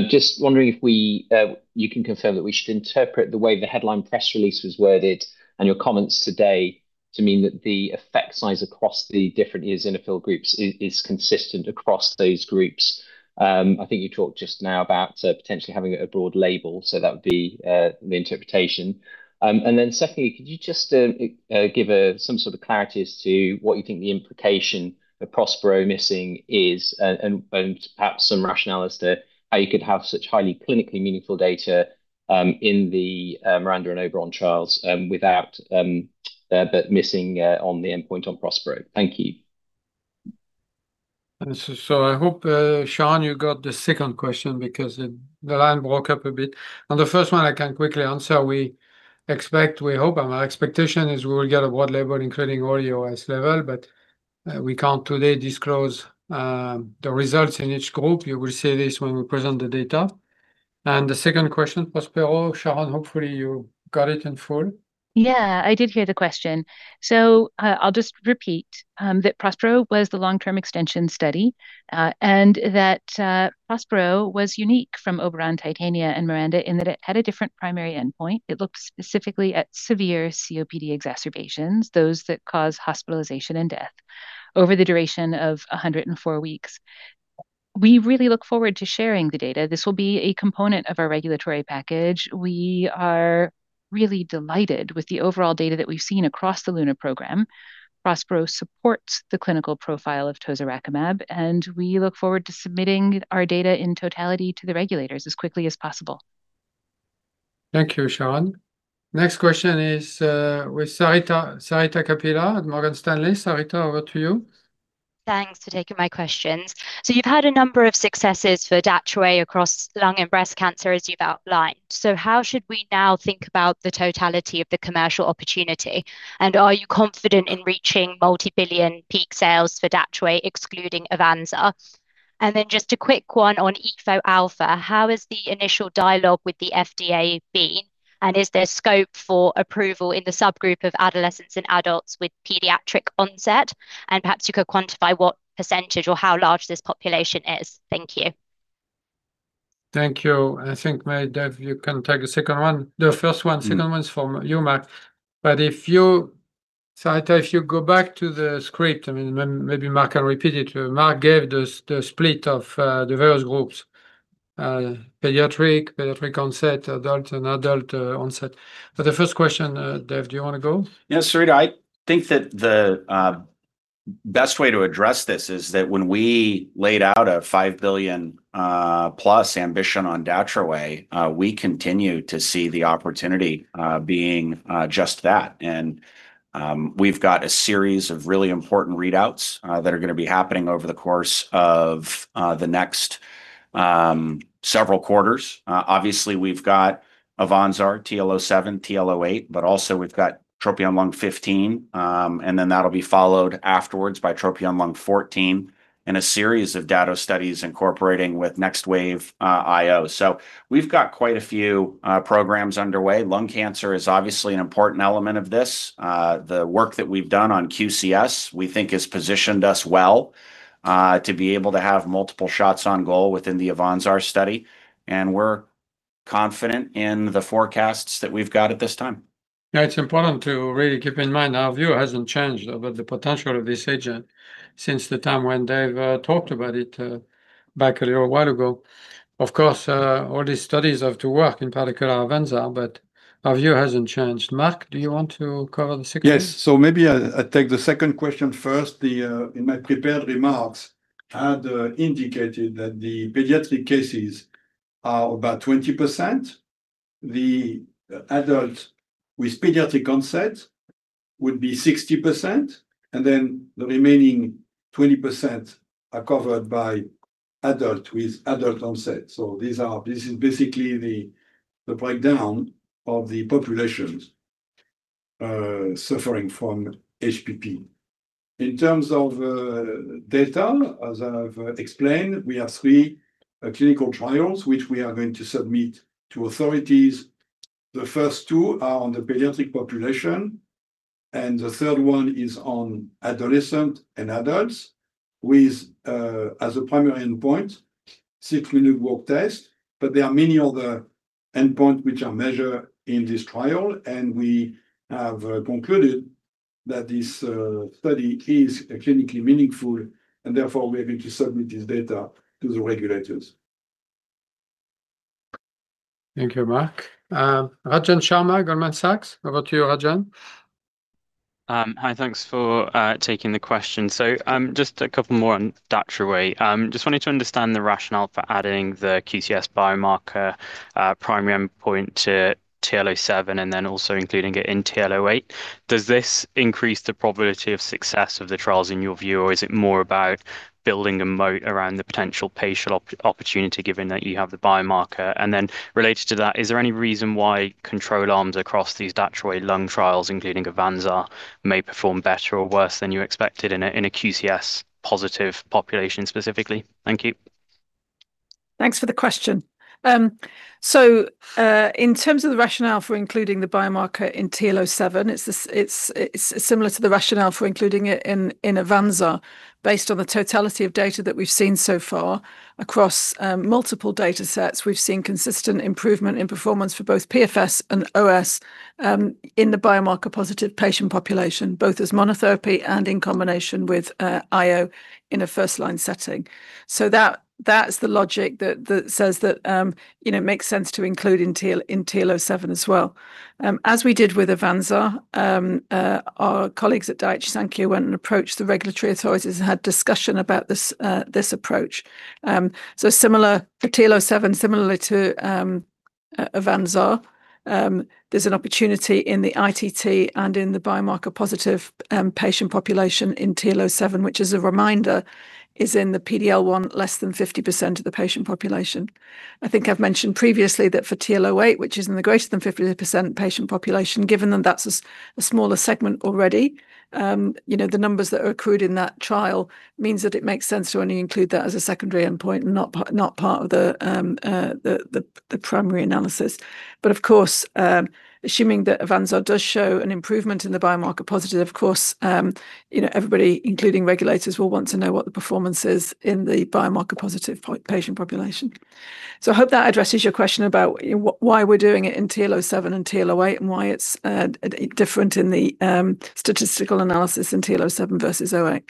Just wondering if we, you can confirm that we should interpret the way the headline press release was worded and your comments today to mean that the effect size across the different eosinophil groups is consistent across those groups. I think you talked just now about, potentially having a broad label, that would be the interpretation. Secondly, could you just give some sort of clarity as to what you think the implication of PROSPERO missing is and perhaps some rationale as to how you could have such highly clinically meaningful data in the MIRANDA and Oberon trials, without missing on the endpoint on PROSPERO. Thank you. I hope, Sharon, you got the second question because the line broke up a bit. On the first one, I can quickly answer. We expect, we hope, and our expectation is we will get a broad label including all EOS level, but we can't today disclose the results in each group. You will see this when we present the data. The second question, PROSPERO, Sharon, hopefully you got it in full. Yeah, I did hear the question. I'll just repeat that PROSPERO was the long-term extension study and that PROSPERO was unique from Oberon, TITANIA, and MIRANDA in that it had a different primary endpoint. It looked specifically at severe COPD exacerbations, those that cause hospitalization and death over the duration of 104 weeks. We really look forward to sharing the data. This will be a component of our regulatory package. We are really delighted with the overall data that we've seen across the LUNA program. PROSPERO supports the clinical profile of Tozorakimab, and we look forward to submitting our data in totality to the regulators as quickly as possible. Thank you, Sharon. Next question is with Sarita Kapila at Morgan Stanley. Sarita, over to you. Thanks for taking my questions. You've had a number of successes for Datroway across lung and breast cancer, as you've outlined. How should we now think about the totality of the commercial opportunity? Are you confident in reaching multi-billion peak sales for Datroway, excluding Enhertu? Just a quick one on efzimfotase alfa. How has the initial dialogue with the FDA been? Is there scope for approval in the subgroup of adolescents and adults with pediatric onset? Perhaps you could quantify what percentage or how large this population is. Thank you. Thank you. I think maybe Dave, you can take the second one. The first one, second one's for you, Marc. If you, Sarita, if you go back to the script, I mean, maybe Marc can repeat it. Marc gave the split of the various groups, pediatric onset, adult and adult onset. The first question, Dave, do you want to go? Yeah, Sarita, I think that the best way to address this is that when we laid out a $5 billion+ Ambition on Datroway, we continue to see the opportunity being just that. We've got a series of really important readouts that are gonna be happening over the course of the next several quarters. Obviously we've got AVANZAR, TL07, TL08, but also we've got TROPION-Lung 15, and then that'll be followed afterwards by TROPION-Lung 14 in a series of Dato studies incorporating with next wave IO. We've got quite a few programs underway. Lung cancer is obviously an important element of this. The work that we've done on QCS we think has positioned us well to be able to have multiple shots on goal within the AVANZAR study, and we're confident in the forecasts that we've got at this time. Yeah, it's important to really keep in mind our view hasn't changed about the potential of this agent since the time when Dave talked about it back a little while ago. Of course, all these studies have to work, in particular AVANZAR, but our view hasn't changed. Marc, do you want to cover the second one? Yes. Maybe I take the second question first. The in my prepared remarks, I had indicated that the pediatric cases are about 20%. The adult with pediatric onset would be 60%, and then the remaining 20% are covered by adult with adult onset. This is basically the breakdown of the populations suffering from HPP. In terms of data, as I've explained, we have three clinical trials, which we are going to submit to authorities. The first two are on the pediatric population, and the third one is on adolescent and adults with as a primary endpoint, six-minute walk test. There are many other endpoint which are measured in this trial, and we have concluded that this study is clinically meaningful and therefore we are going to submit this data to the regulators. Thank you, Marc. Rajan Sharma, Goldman Sachs. Over to you, Rajan. Hi, thanks for taking the question. Just a couple more on Datroway. Just wanted to understand the rationale for adding the QCS biomarker primary endpoint to TL07 and then also including it in TL08. Does this increase the probability of success of the trials in your view, or is it more about building a moat around the potential patient opportunity given that you have the biomarker? Related to that, is there any reason why control arms across these Datroway lung trials, including AVANZAR, may perform better or worse than you expected in a QCS positive population specifically? Thank you. Thanks for the question. In terms of the rationale for including the biomarker in TL07, it's similar to the rationale for including it in AVANZAR. Based on the totality of data that we've seen so far across multiple data sets, we've seen consistent improvement in performance for both PFS and OS in the biomarker positive patient population, both as monotherapy and in combination with IO in a first line setting. That's the logic that says that, you know, it makes sense to include in TL07 as well. As we did with AVANZAR, our colleagues at Daiichi Sankyo went and approached the regulatory authorities and had discussion about this approach. Similar for TL07, similarly to AVANZAR, there's an opportunity in the ITT and in the biomarker positive patient population in TL07, which as a reminder is in the PD-L1, less than 50% of the patient population. I think I've mentioned previously that for TL08, which is in the greater than 50% patient population, given that that's a smaller segment already, you know, the numbers that are accrued in that trial means that it makes sense to only include that as a secondary endpoint and not part of the primary analysis. Of course, assuming that AVANZAR does show an improvement in the biomarker positive, of course, you know, everybody including regulators will want to know what the performance is in the biomarker positive patient population. I hope that addresses your question about why we're doing it in TL07 and TL08 and why it's different in the statistical analysis in TL07 versus TL08.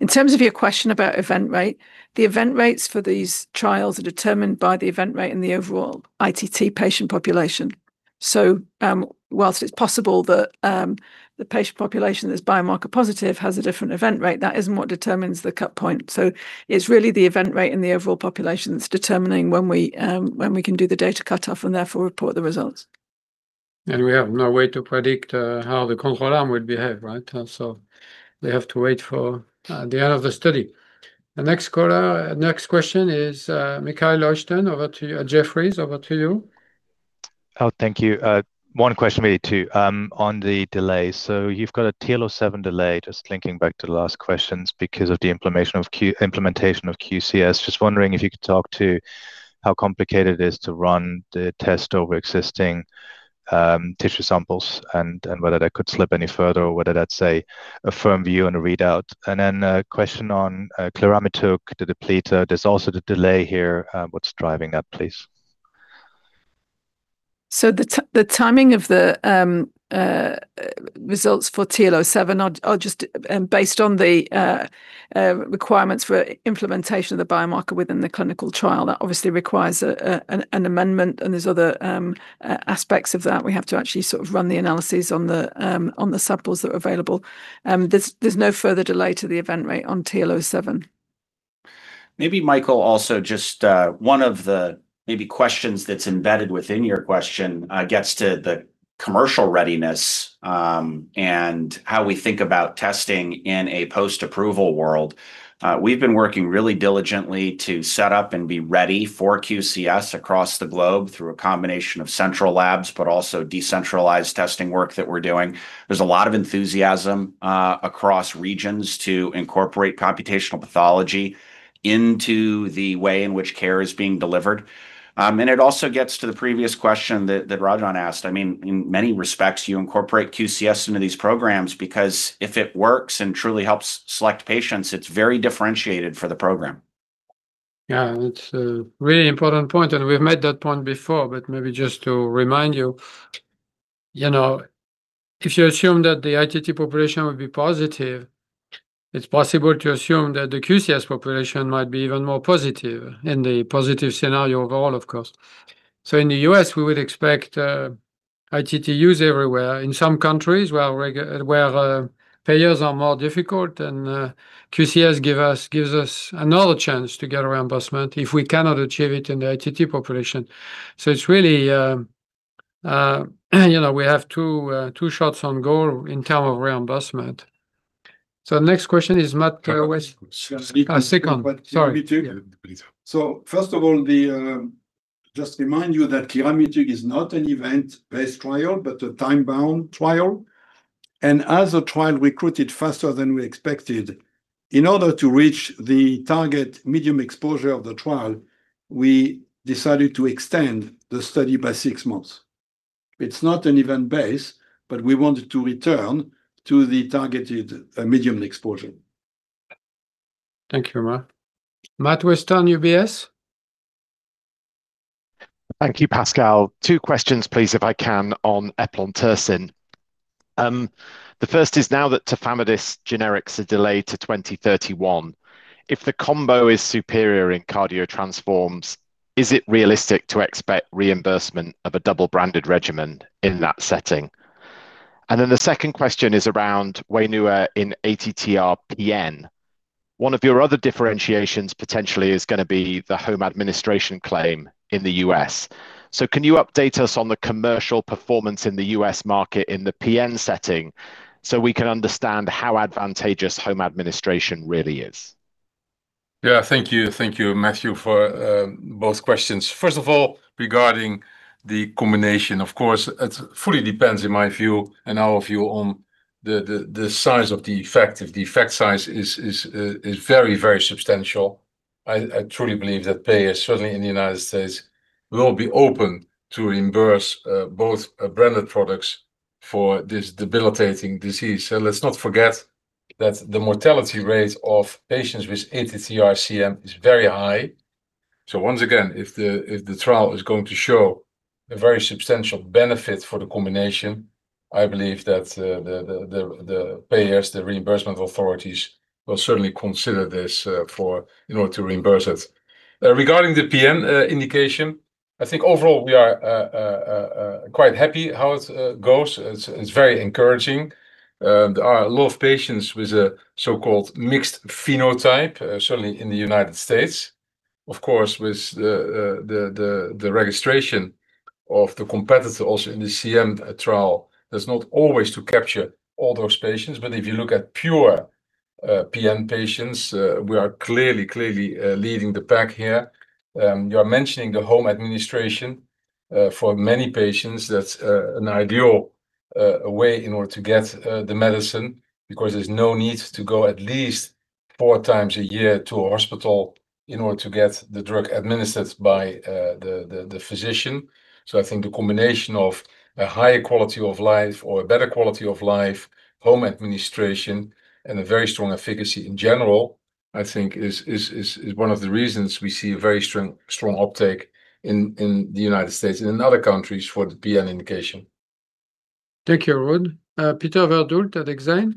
In terms of your question about event rate, the event rates for these trials are determined by the event rate in the overall ITT patient population. While it's possible that the patient population that's biomarker positive has a different event rate, that isn't what determines the cut point. It's really the event rate in the overall population that's determining when we can do the data cutoff and therefore report the results. We have no way to predict how the control arm will behave, right? They have to wait for the end of the study. The next caller, next question is Michael Leuchten, over to you. At Jefferies, over to you. Thank you. One question maybe two on the delay. You've got a TL07 delay, just linking back to the last questions because of the implementation of QCS. Just wondering if you could talk to how complicated it is to run the test over existing tissue samples and whether that could slip any further or whether that's, say, a firm view and a readout. Then a question on [surovatamig], the depleter. There's also the delay here. What's driving that, please? The timing of the results for TL07 are just based on the requirements for implementation of the biomarker within the clinical trial. That obviously requires an amendment, and there's other aspects of that. We have to actually sort of run the analyses on the samples that are available. There's no further delay to the event rate on TL07. Maybe Michael also just, one of the maybe questions that's embedded within your question, gets to the commercial readiness, and how we think about testing in a post-approval world. We've been working really diligently to set up and be ready for QCS across the globe through a combination of central labs, but also decentralized testing work that we're doing. There's a lot of enthusiasm across regions to incorporate computational pathology into the way in which care is being delivered. It also gets to the previous question that Rajan asked. I mean, in many respects, you incorporate QCS into these programs because if it works and truly helps select patients, it's very differentiated for the program. Yeah. It's a really important point, and we've made that point before. Maybe just to remind you know, if you assume that the ITT population will be positive, it's possible to assume that the QCS population might be even more positive in the positive scenario of all, of course. In the U.S., we would expect ITT use everywhere. In some countries where payers are more difficult and QCS gives us another chance to get a reimbursement if we cannot achieve it in the ITT population. It's really, you know, we have two shots on goal in term of reimbursement. Next question is Matthew Weston. Can I speak on. Speak on. Sorry First of all, the just remind you that clarithromycin is not an event-based trial, but a time-bound trial. As a trial recruited faster than we expected, in order to reach the target medium exposure of the trial, we decided to extend the study by six months. It's not an event-based, but we wanted to return to the targeted medium exposure. Thank you, Marc. Matthew Weston at UBS. Thank you, Pascal. Two questions please, if I can, on eplontersen. The first is now that tafamidis generics are delayed to 2031, if the combo is superior in Cardio Transform, is it realistic to expect reimbursement of a double-branded regimen in that setting? The second question is around Wainua in ATTR-PN. One of your other differentiations potentially is gonna be the home administration claim in the U.S. Can you update us on the commercial performance in the U.S. market in the PN setting so we can understand how advantageous home administration really is? Yeah. Thank you. Thank you, Matthew, for both questions. First of all, regarding the combination, of course, it fully depends, in my view and our view, on the size of the effect. If the effect size is very, very substantial, I truly believe that payers, certainly in the United States, will be open to reimburse both branded products for this debilitating disease. Let's not forget that the mortality rate of patients with ATTR-CM is very high. Once again, if the trial is going to show a very substantial benefit for the combination, I believe that the payers, the reimbursement authorities will certainly consider this for in order to reimburse it. Regarding the PN indication, I think overall we are quite happy how it goes. It's very encouraging. There are a lot of patients with a so-called mixed phenotype, certainly in the U.S. Of course, with the registration of the competitor also in the CM trial, that's not always to capture all those patients. If you look at pure PN patients, we are clearly leading the pack here. You are mentioning the home administration. For many patients, that's an ideal way in order to get the medicine because there's no need to go at least four times a year to a hospital in order to get the drug administered by the physician. I think the combination of a higher quality of life or a better quality of life, home administration, and a very strong efficacy in general, I think is one of the reasons we see a very strong uptake in the United States and in other countries for the PN indication. Thank you, Ruud. Peter Verdult at Exane.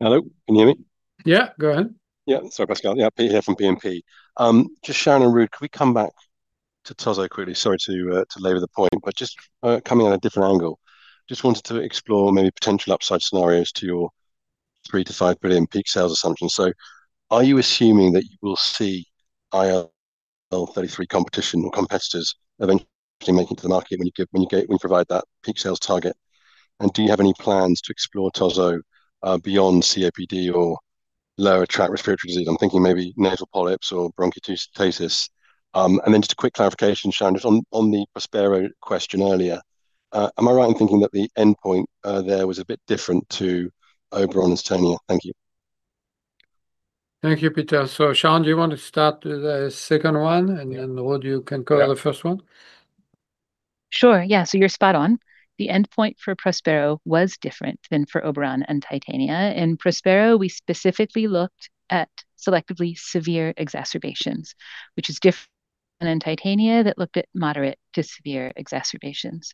Hello, can you hear me? Yeah, go ahead. Sorry, Pascal. Peter Verdult here from BNP Paribas. Just Sharon and Ruud, could we come back to Tozorakimab really? Sorry to labor the point, but just coming at a different angle. Just wanted to explore maybe potential upside scenarios to your $3 billion-$5 billion peak sales assumption. Are you assuming that you will see IL-33 competition or competitors eventually making it to the market when you provide that peak sales target? Do you have any plans to explore Tozorakimab beyond COPD or lower tract respiratory disease? I'm thinking maybe nasal polyps or bronchiectasis. Just a quick clarification, Sharon, just on the PROSPERO question earlier. Am I right in thinking that the endpoint there was a bit different to OBERON and TITANIA? Thank you. Thank you, Peter. Sharon, do you want to start with the second one? Ruud, you can cover the first one. Sure, yeah. You're spot on. The endpoint for PROSPERO was different than for OBERON and TITANIA. In PROSPERO, we specifically looked at selectively severe exacerbations, which is different than TITANIA that looked at moderate to severe exacerbations.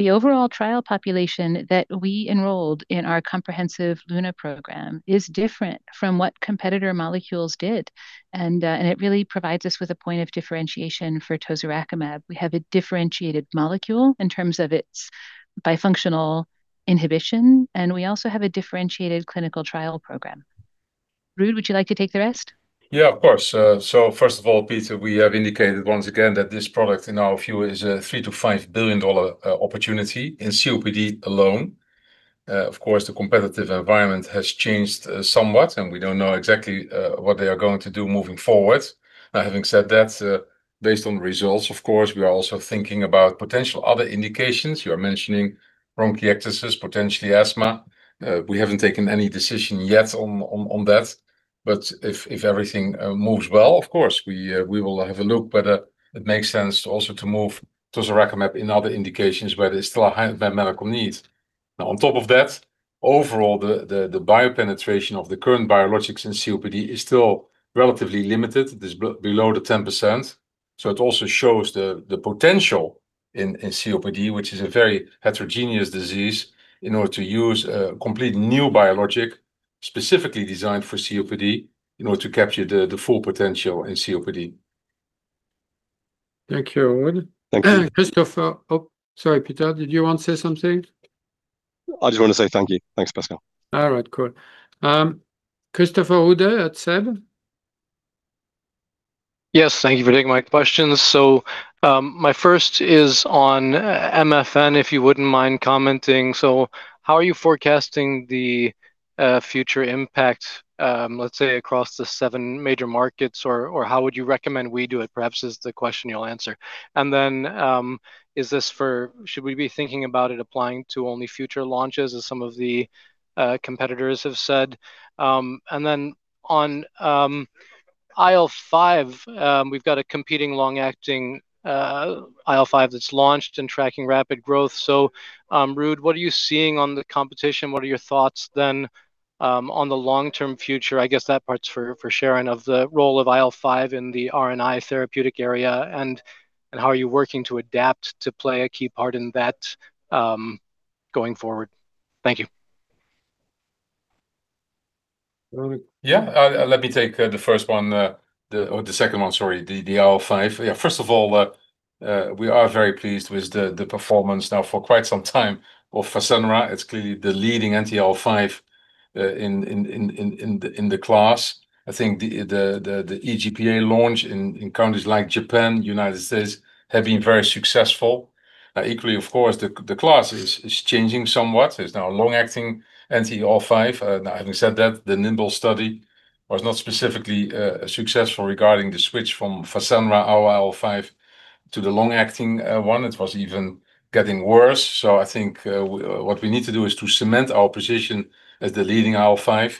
The overall trial population that we enrolled in our comprehensive LUNA program is different from what competitor molecules did, and it really provides us with a point of differentiation for Tozorakimab. We have a differentiated molecule in terms of its bifunctional inhibition, and we also have a differentiated clinical trial program. Ruud, would you like to take the rest? Yeah, of course. First of all, Peter, we have indicated once again that this product in our view is a $3 billion-$5 billion opportunity in COPD alone. Of course the competitive environment has changed somewhat, and we don't know exactly what they are going to do moving forward. Having said that, based on results of course, we are also thinking about potential other indications. You are mentioning bronchiectasis, potentially asthma. We haven't taken any decision yet on that. If everything moves well, of course we will have a look, but it makes sense also to move Tozorakimab in other indications where there's still a high medical need. On top of that, overall the biopenetration of the current biologics in COPD is still relatively limited. It is below the 10%. It also shows the potential in COPD, which is a very heterogeneous disease, in order to use a complete new biologic specifically designed for COPD in order to capture the full potential in COPD. Thank you, Ruud. Thank you. Christopher. Oh, sorry Peter, did you want to say something? I just want to say thank you. Thanks, Pascal. All right, cool. Christopher Lyrhem at SEB. Yes. Thank you for taking my questions. My first is on MFN if you wouldn't mind commenting. How are you forecasting the future impact, let's say across the seven major markets, or how would you recommend we do it, perhaps is the question you'll answer. Then, is this for should we be thinking about it applying to only future launches as some of the competitors have said? Then on IL-5, we've got a competing long-acting IL-5 that's launched and tracking rapid growth. Ruud, what are you seeing on the competition? What are your thoughts then, on the long-term future, I guess that part's for Sharon, of the role of IL-5 in the R&I therapeutic area, and how are you working to adapt to play a key part in that, going forward? Thank you. Yeah. Let me take the first one, or the second one, sorry, the IL-5. Yeah, first of all, we are very pleased with the performance now for quite some time. Of Fasenra, it's clearly the leading anti-IL-5 in the class. I think the EGPA launch in countries like Japan, United States, have been very successful. Equally of course the class is changing somewhat. There's now long-acting anti-IL-5. Now having said that, the NIMBLE study was not specifically successful regarding the switch from Fasenra IL-5 to the long-acting one. It was even getting worse. I think what we need to do is to cement our position as the leading IL-5. I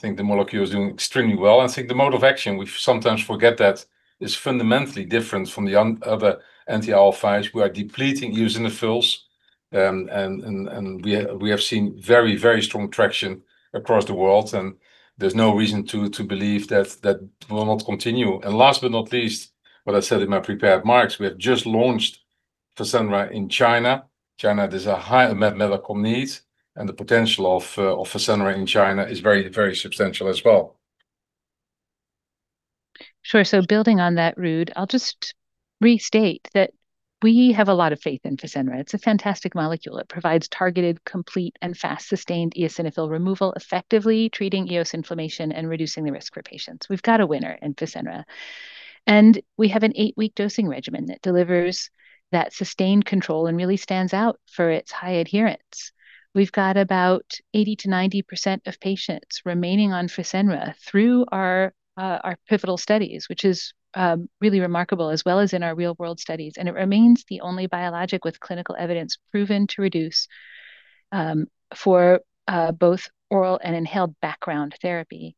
think the molecule is doing extremely well. I think the mode of action, we sometimes forget that, is fundamentally different from other anti-IL-5s. We are depleting using the fills, and we have seen very strong traction across the world, and there's no reason to believe that that will not continue. Last but not least, what I said in my prepared marks, we have just launched Fasenra in China. China, there's a high medical need, and the potential of Fasenra in China is very substantial as well. Sure. Building on that, Ruud, I'll just restate that we have a lot of faith in Fasenra. It's a fantastic molecule. It provides targeted, complete, and fast sustained eosinophil removal, effectively treating eos inflammation and reducing the risk for patients. We've got a winner in Fasenra. We have an eight week dosing regimen that delivers that sustained control and really stands out for its high adherence. We've got about 80%-90% of patients remaining on Fasenra through our pivotal studies, which is really remarkable, as well as in our real world studies, and it remains the only biologic with clinical evidence proven to reduce for both oral and inhaled background therapy.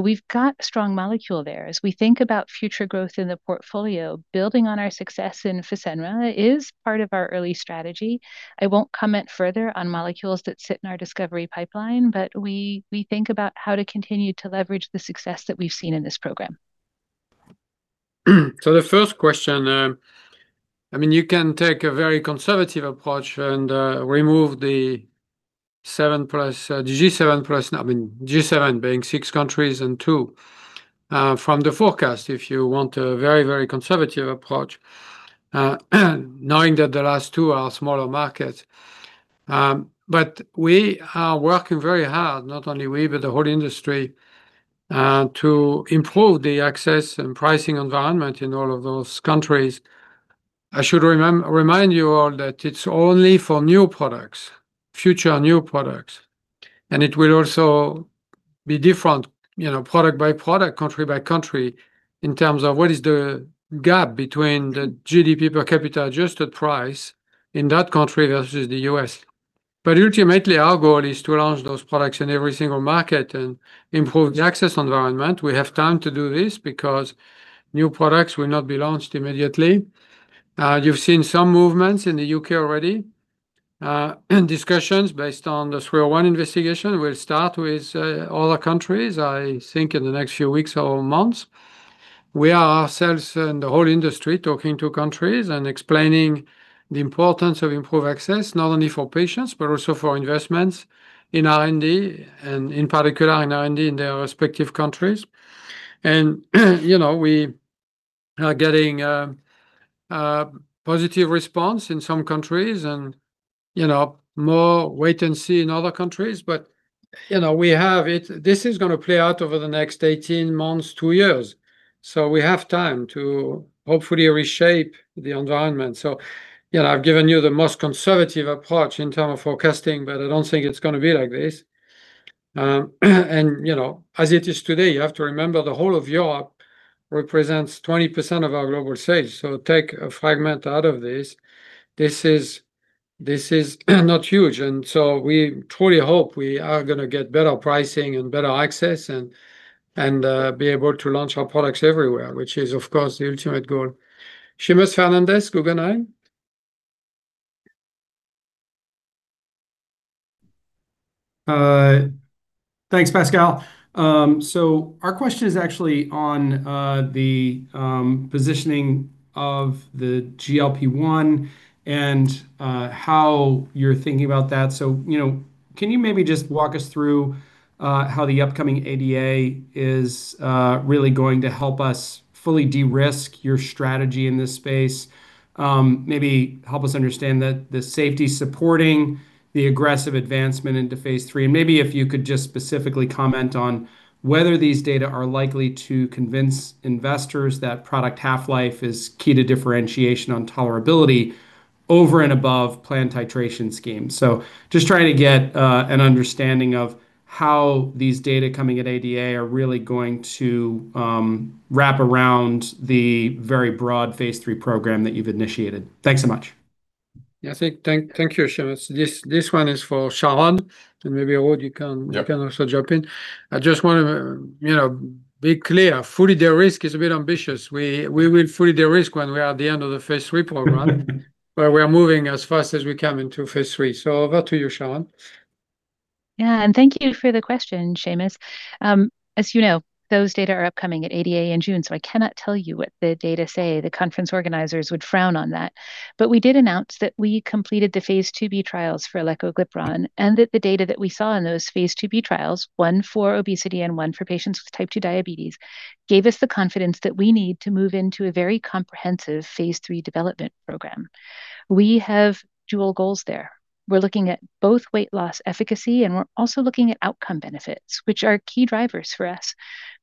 We've got a strong molecule there. As we think about future growth in the portfolio, building on our success in Fasenra is part of our early strategy. I won't comment further on molecules that sit in our discovery pipeline. We think about how to continue to leverage the success that we've seen in this program. The first question, you can take a very conservative approach and remove the 7+, the G7+, G7 being six countries and two, from the forecast if you want a very conservative approach. Knowing that the last two are smaller markets. We are working very hard, not only we but the whole industry, to improve the access and pricing environment in all of those countries. I should remind you all that it's only for new products, future new products. It will also be different, you know, product by product, country by country, in terms of what is the gap between the GDP per capita adjusted price in that country versus the U.S. Ultimately our goal is to launch those products in every single market and improve the access environment. We have time to do this because new products will not be launched immediately. You've seen some movements in the U.K. already. Discussions based on the 301 Investigation will start with other countries, I think in the next few weeks or months. We are ourselves and the whole industry talking to countries and explaining the importance of improved access, not only for patients, but also for investments in R&D and, in particular, in R&D in their respective countries. You know, we are getting a positive response in some countries and, you know, more wait and see in other countries. You know, we have it. This is going to play out over the next 18 months, two years. We have time to hopefully reshape the environment. You know, I've given you the most conservative approach in terms of forecasting, but I don't think it's going to be like this. You know, as it is today, you have to remember the whole of Europe represents 20% of our global sales. Take a fragment out of this. This is not huge. We truly hope we are going to get better pricing and better access and be able to launch our products everywhere, which is, of course, the ultimate goal. Seamus Fernandez, Guggenheim. Thanks, Pascal. Our question is actually on the positioning of the GLP-1 and how you're thinking about that. You know, can you maybe just walk us through how the upcoming ADA is really going to help us fully de-risk your strategy in this space? Maybe help us understand the safety supporting the aggressive advancement into phase III. Maybe if you could just specifically comment on whether these data are likely to convince investors that product half-life is key to differentiation on tolerability over and above planned titration scheme. Just trying to get an understanding of how these data coming at ADA are really going to wrap around the very broad phase III program that you've initiated. Thanks so much. Yeah, thank you, Seamus. This one is for Sharon, and maybe, Ruud. Yep You can also jump in. I just want to, you know, be clear, fully de-risk is a bit ambitious. We will fully de-risk when we are at the end of the phase III program where we are moving as fast as we can into phase III. Over to you, Sharon. Yeah, thank you for the question, Seamus. As you know, those data are upcoming at ADA in June, so I cannot tell you what the data say. The conference organizers would frown on that. We did announce that we completed the phase II-B trials for eleglipron, and that the data that we saw in those phase II-B trials, one for obesity and one for patients with type two diabetes, gave us the confidence that we need to move into a very comprehensive phase III development program. We have dual goals there. We're looking at both weight loss efficacy, and we're also looking at outcome benefits, which are key drivers for us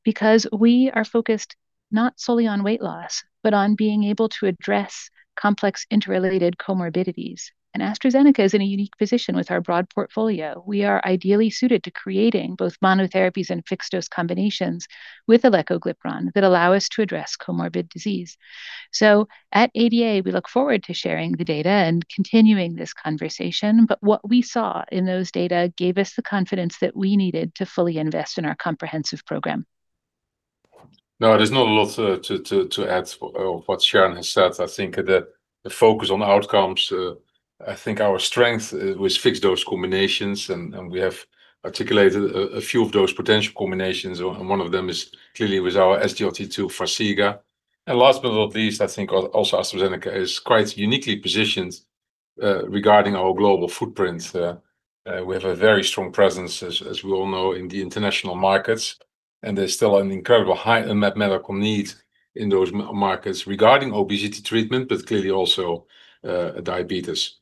because we are focused not solely on weight loss, but on being able to address complex interrelated comorbidities. AstraZeneca is in a unique position with our broad portfolio. We are ideally suited to creating both monotherapies and fixed-dose combinations with eleglipron that allow us to address comorbid disease. At ADA, we look forward to sharing the data and continuing this conversation. What we saw in those data gave us the confidence that we needed to fully invest in our comprehensive program. No, there's not a lot to add of what Sharon has said. I think that the focus on outcomes, I think our strength is with fixed-dose combinations, and we have articulated a few of those potential combinations, and one of them is clearly with our SGLT2 Farxiga. Last but not least, I think also AstraZeneca is quite uniquely positioned regarding our global footprint. We have a very strong presence, as we all know, in the international markets, and there's still an incredible high unmet medical need in those markets regarding obesity treatment, but clearly also diabetes.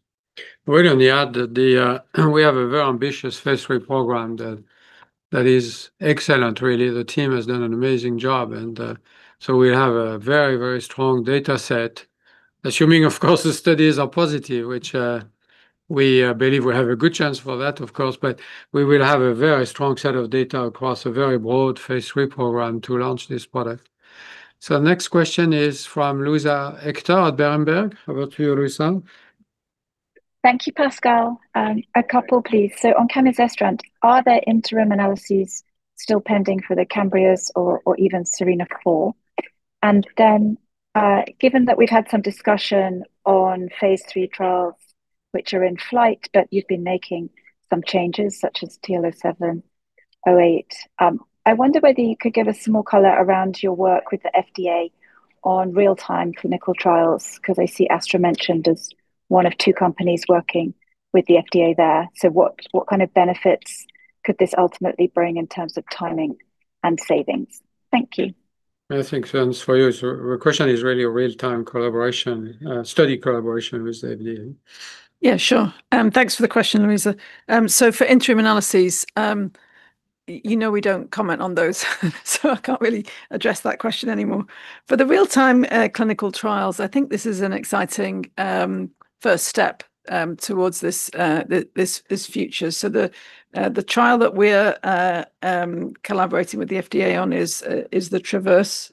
We're going to add that the we have a very ambitious phase III program that is excellent, really. The team has done an amazing job. We have a very, very strong data set, assuming, of course, the studies are positive, which we believe we have a good chance for that, of course. We will have a very strong set of data across a very broad phase III program to launch this product. Next question is from Luisa Hector at Berenberg. Over to you, Luisa. Thank you, Pascal. A couple, please. On Camizestrant, are there interim analyses still pending for the CAMBRIA or even SERENA-4 Given that we've had some discussion on phase III trials, which are in flight, but you've been making some changes such as TL07, TL08, I wonder whether you could give us some more color around your work with the FDA on real-time clinical trials. I see AstraZeneca mentioned as one of two companies working with the FDA there. What kind of benefits could this ultimately bring in terms of timing and savings? Thank you. I think, Susan, this for you. It's a question is really a real-time collaboration, study collaboration with the FDA. Yeah, sure. Thanks for the question, Luisa. For interim analyses, you know we don't comment on those, so I can't really address that question anymore. For the real-time clinical trials, I think this is an exciting first step towards this future. The trial that we're collaborating with the FDA on is the Traverse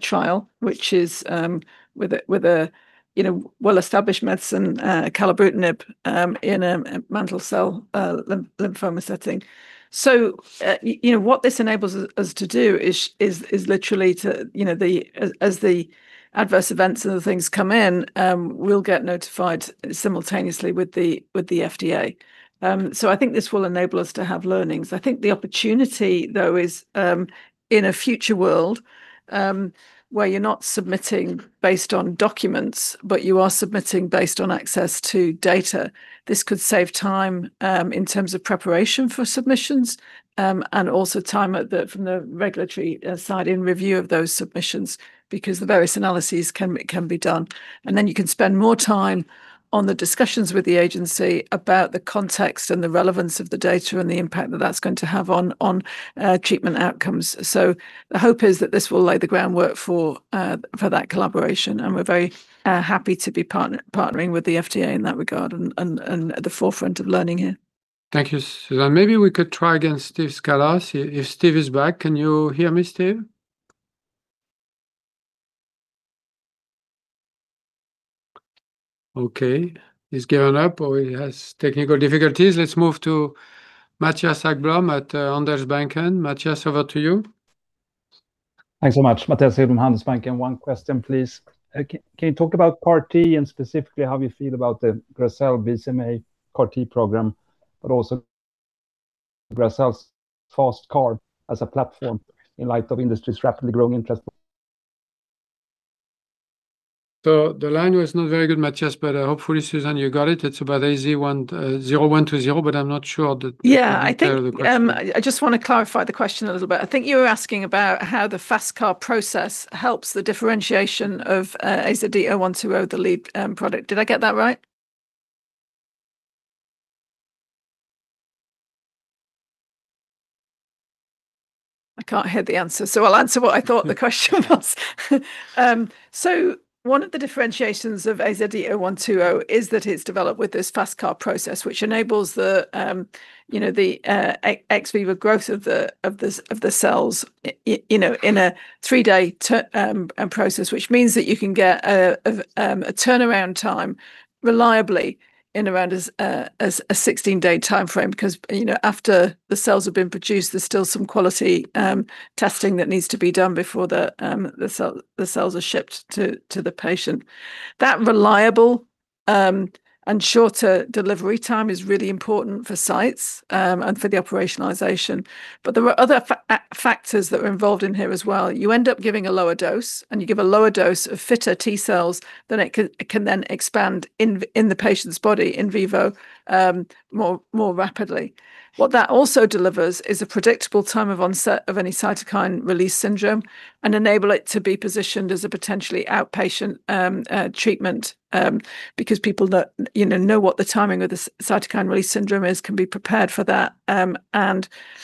trial, which is with a, with a, you know, well-established medicine, capivasertib, in a mantle cell lymphoma setting. You know, what this enables us to do is literally to, you know, as the adverse events and the things come in, we'll get notified simultaneously with the FDA. I think this will enable us to have learnings. I think the opportunity, though, is in a future world, where you're not submitting based on documents, but you are submitting based on access to data. This could save time, in terms of preparation for submissions, and also time from the regulatory side in review of those submissions, because the various analyses can be done. You can spend more time on the discussions with the agency about the context and the relevance of the data and the impact that that's going to have on treatment outcomes. The hope is that this will lay the groundwork for that collaboration, and we're very happy to be partnering with the FDA in that regard and at the forefront of learning here. Thank you, Susan. Maybe we could try again Steve Scala. If Steve is back. Can you hear me, Steve? Okay, he's given up or he has technical difficulties. Let's move to Mattias Häggblom at Handelsbanken. Mattias, over to you. Thanks so much. Mattias here from Handelsbanken. One question, please. Can you talk about CAR T and specifically how we feel about the Gracell BCMA CAR T program, but also Gracell's FasTCAR as a platform in light of industry's rapidly growing interest? The line was not very good, Mattias, but hopefully Susan you got it. It's about AZD0120, but I'm not sure that. Yeah you can repeat the question. I think I just want to clarify the question a little bit. I think you were asking about how the FasTCAR process helps the differentiation of AZD0120, the lead product. Did I get that right? I can't hear the answer. I'll answer what I thought the question was. One of the differentiations of AZD0120 is that it's developed with this FasTCAR process, which enables the ex vivo growth of the cells in a three day process, which means that you can get a turnaround time reliably in around a 16-day timeframe because after the cells have been produced, there's still some quality testing that needs to be done before the cells are shipped to the patient. That reliable and shorter delivery time is really important for sites and for the operationalization. There are other factors that are involved in here as well. You end up giving a lower dose, and you give a lower dose of fitter T-cells than it can then expand in the patient's body in vivo, more rapidly. What that also delivers is a predictable time of onset of any cytokine release syndrome and enable it to be positioned as a potentially outpatient treatment, because people that, you know what the timing of the cytokine release syndrome is can be prepared for that. Then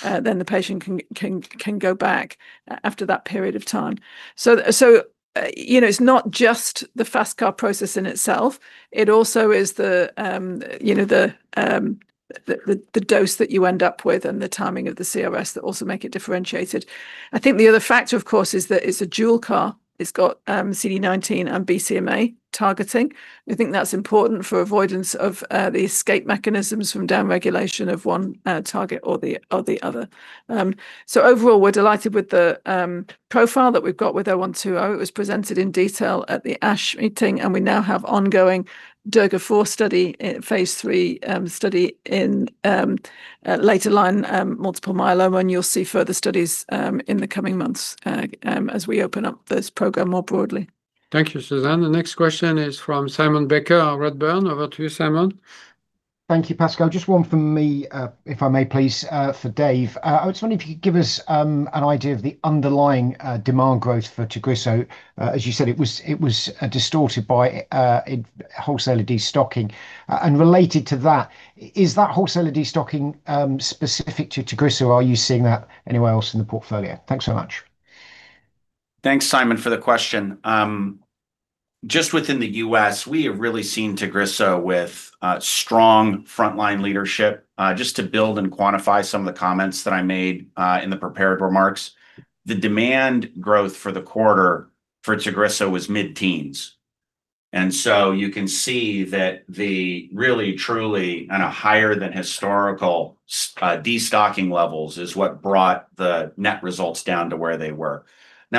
the patient can go back after that period of time. You know, it's not just the FasTCAR process in itself. It also is the, you know, the dose that you end up with and the timing of the CRS that also make it differentiated. I think the other factor, of course, is that it's a dual CAR. It's got CD19 and BCMA targeting. We think that's important for avoidance of the escape mechanisms from downregulation of one target or the other. Overall, we're delighted with the profile that we've got with AZD0120. It was presented in detail at the ASH meeting. We now have ongoing Durga4 study in phase III study in later line multiple myeloma. You'll see further studies in the coming months as we open up this program more broadly. Thank you, Susan. The next question is from Simon Baker, Redburn. Over to you, Simon. Thank you, Pascal. Just one from me, if I may, please, for Dave. I was wondering if you could give us an idea of the underlying demand growth for Tagrisso. As you said, it was distorted by wholesaler destocking. Related to that, is that wholesaler destocking specific to Tagrisso, or are you seeing that anywhere else in the portfolio? Thanks so much. Thanks, Simon, for the question. Just within the U.S., we have really seen Tagrisso with strong frontline leadership. Just to build and quantify some of the comments that I made in the prepared remarks, the demand growth for the quarter for Tagrisso was mid-teens%. You can see that the really truly on a higher than historical destocking levels is what brought the net results down to where they were.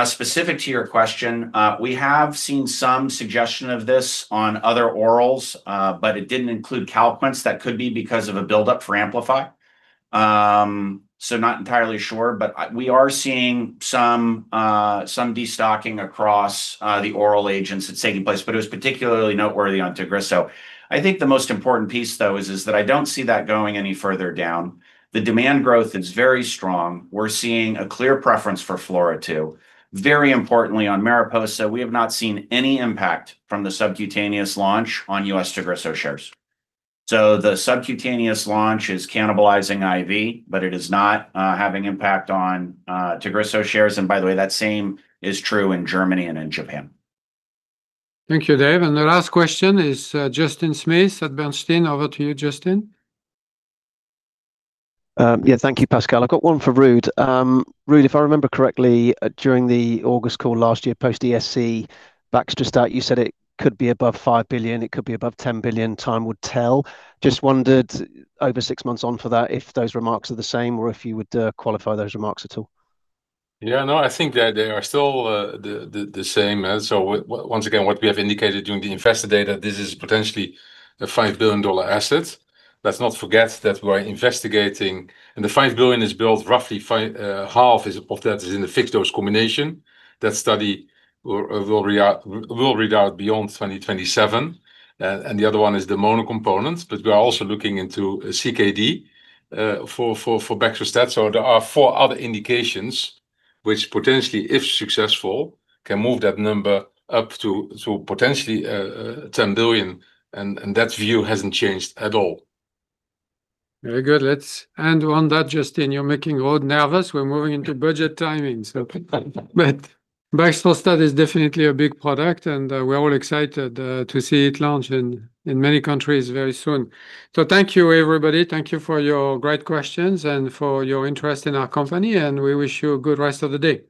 Specific to your question, we have seen some suggestion of this on other orals, but it didn't include Calquence. That could be because of a buildup for AMPLIFY. Not entirely sure, but we are seeing some destocking across the oral agents that's taking place. It was particularly noteworthy on Tagrisso. I think the most important piece, though, is that I don't see that going any further down. The demand growth is very strong. We're seeing a clear preference for FLAURA2. Very importantly on MARIPOSA, we have not seen any impact from the subcutaneous launch on U.S. Tagrisso shares. The subcutaneous launch is cannibalizing IV, but it is not having impact on Tagrisso shares, and by the way, that same is true in Germany and in Japan. Thank you, Dave. The last question is Justin Smith at Bernstein. Over to you, Justin. Yeah, thank you, Pascal. I've got one for Ruud. Ruud, if I remember correctly, during the August call last year, post ESC, Baxdrostat, you said it could be above $5 billion, it could be above $10 billion, time would tell. Just wondered over six months on for that, if those remarks are the same or if you would qualify those remarks at all. Yeah, no, I think that they are still, the, the same. Once again, what we have indicated during the Investor Day that this is potentially a $5 billion asset. Let's not forget that we're investigating. The $5 billion is built roughly half of that is in the fixed-dose combination. That study will read out beyond 2027. The other one is the mono components, we are also looking into CKD for Baxdrostat. There are four other indications which potentially, if successful, can move that number up to potentially $10 billion and that view hasn't changed at all. Very good. Let's end on that, Justin. You're making Ruud nervous. We're moving into budget timing. Baxdrostat is definitely a big product, and we're all excited to see it launch in many countries very soon. Thank you, everybody. Thank you for your great questions and for your interest in our company, and we wish you a good rest of the day.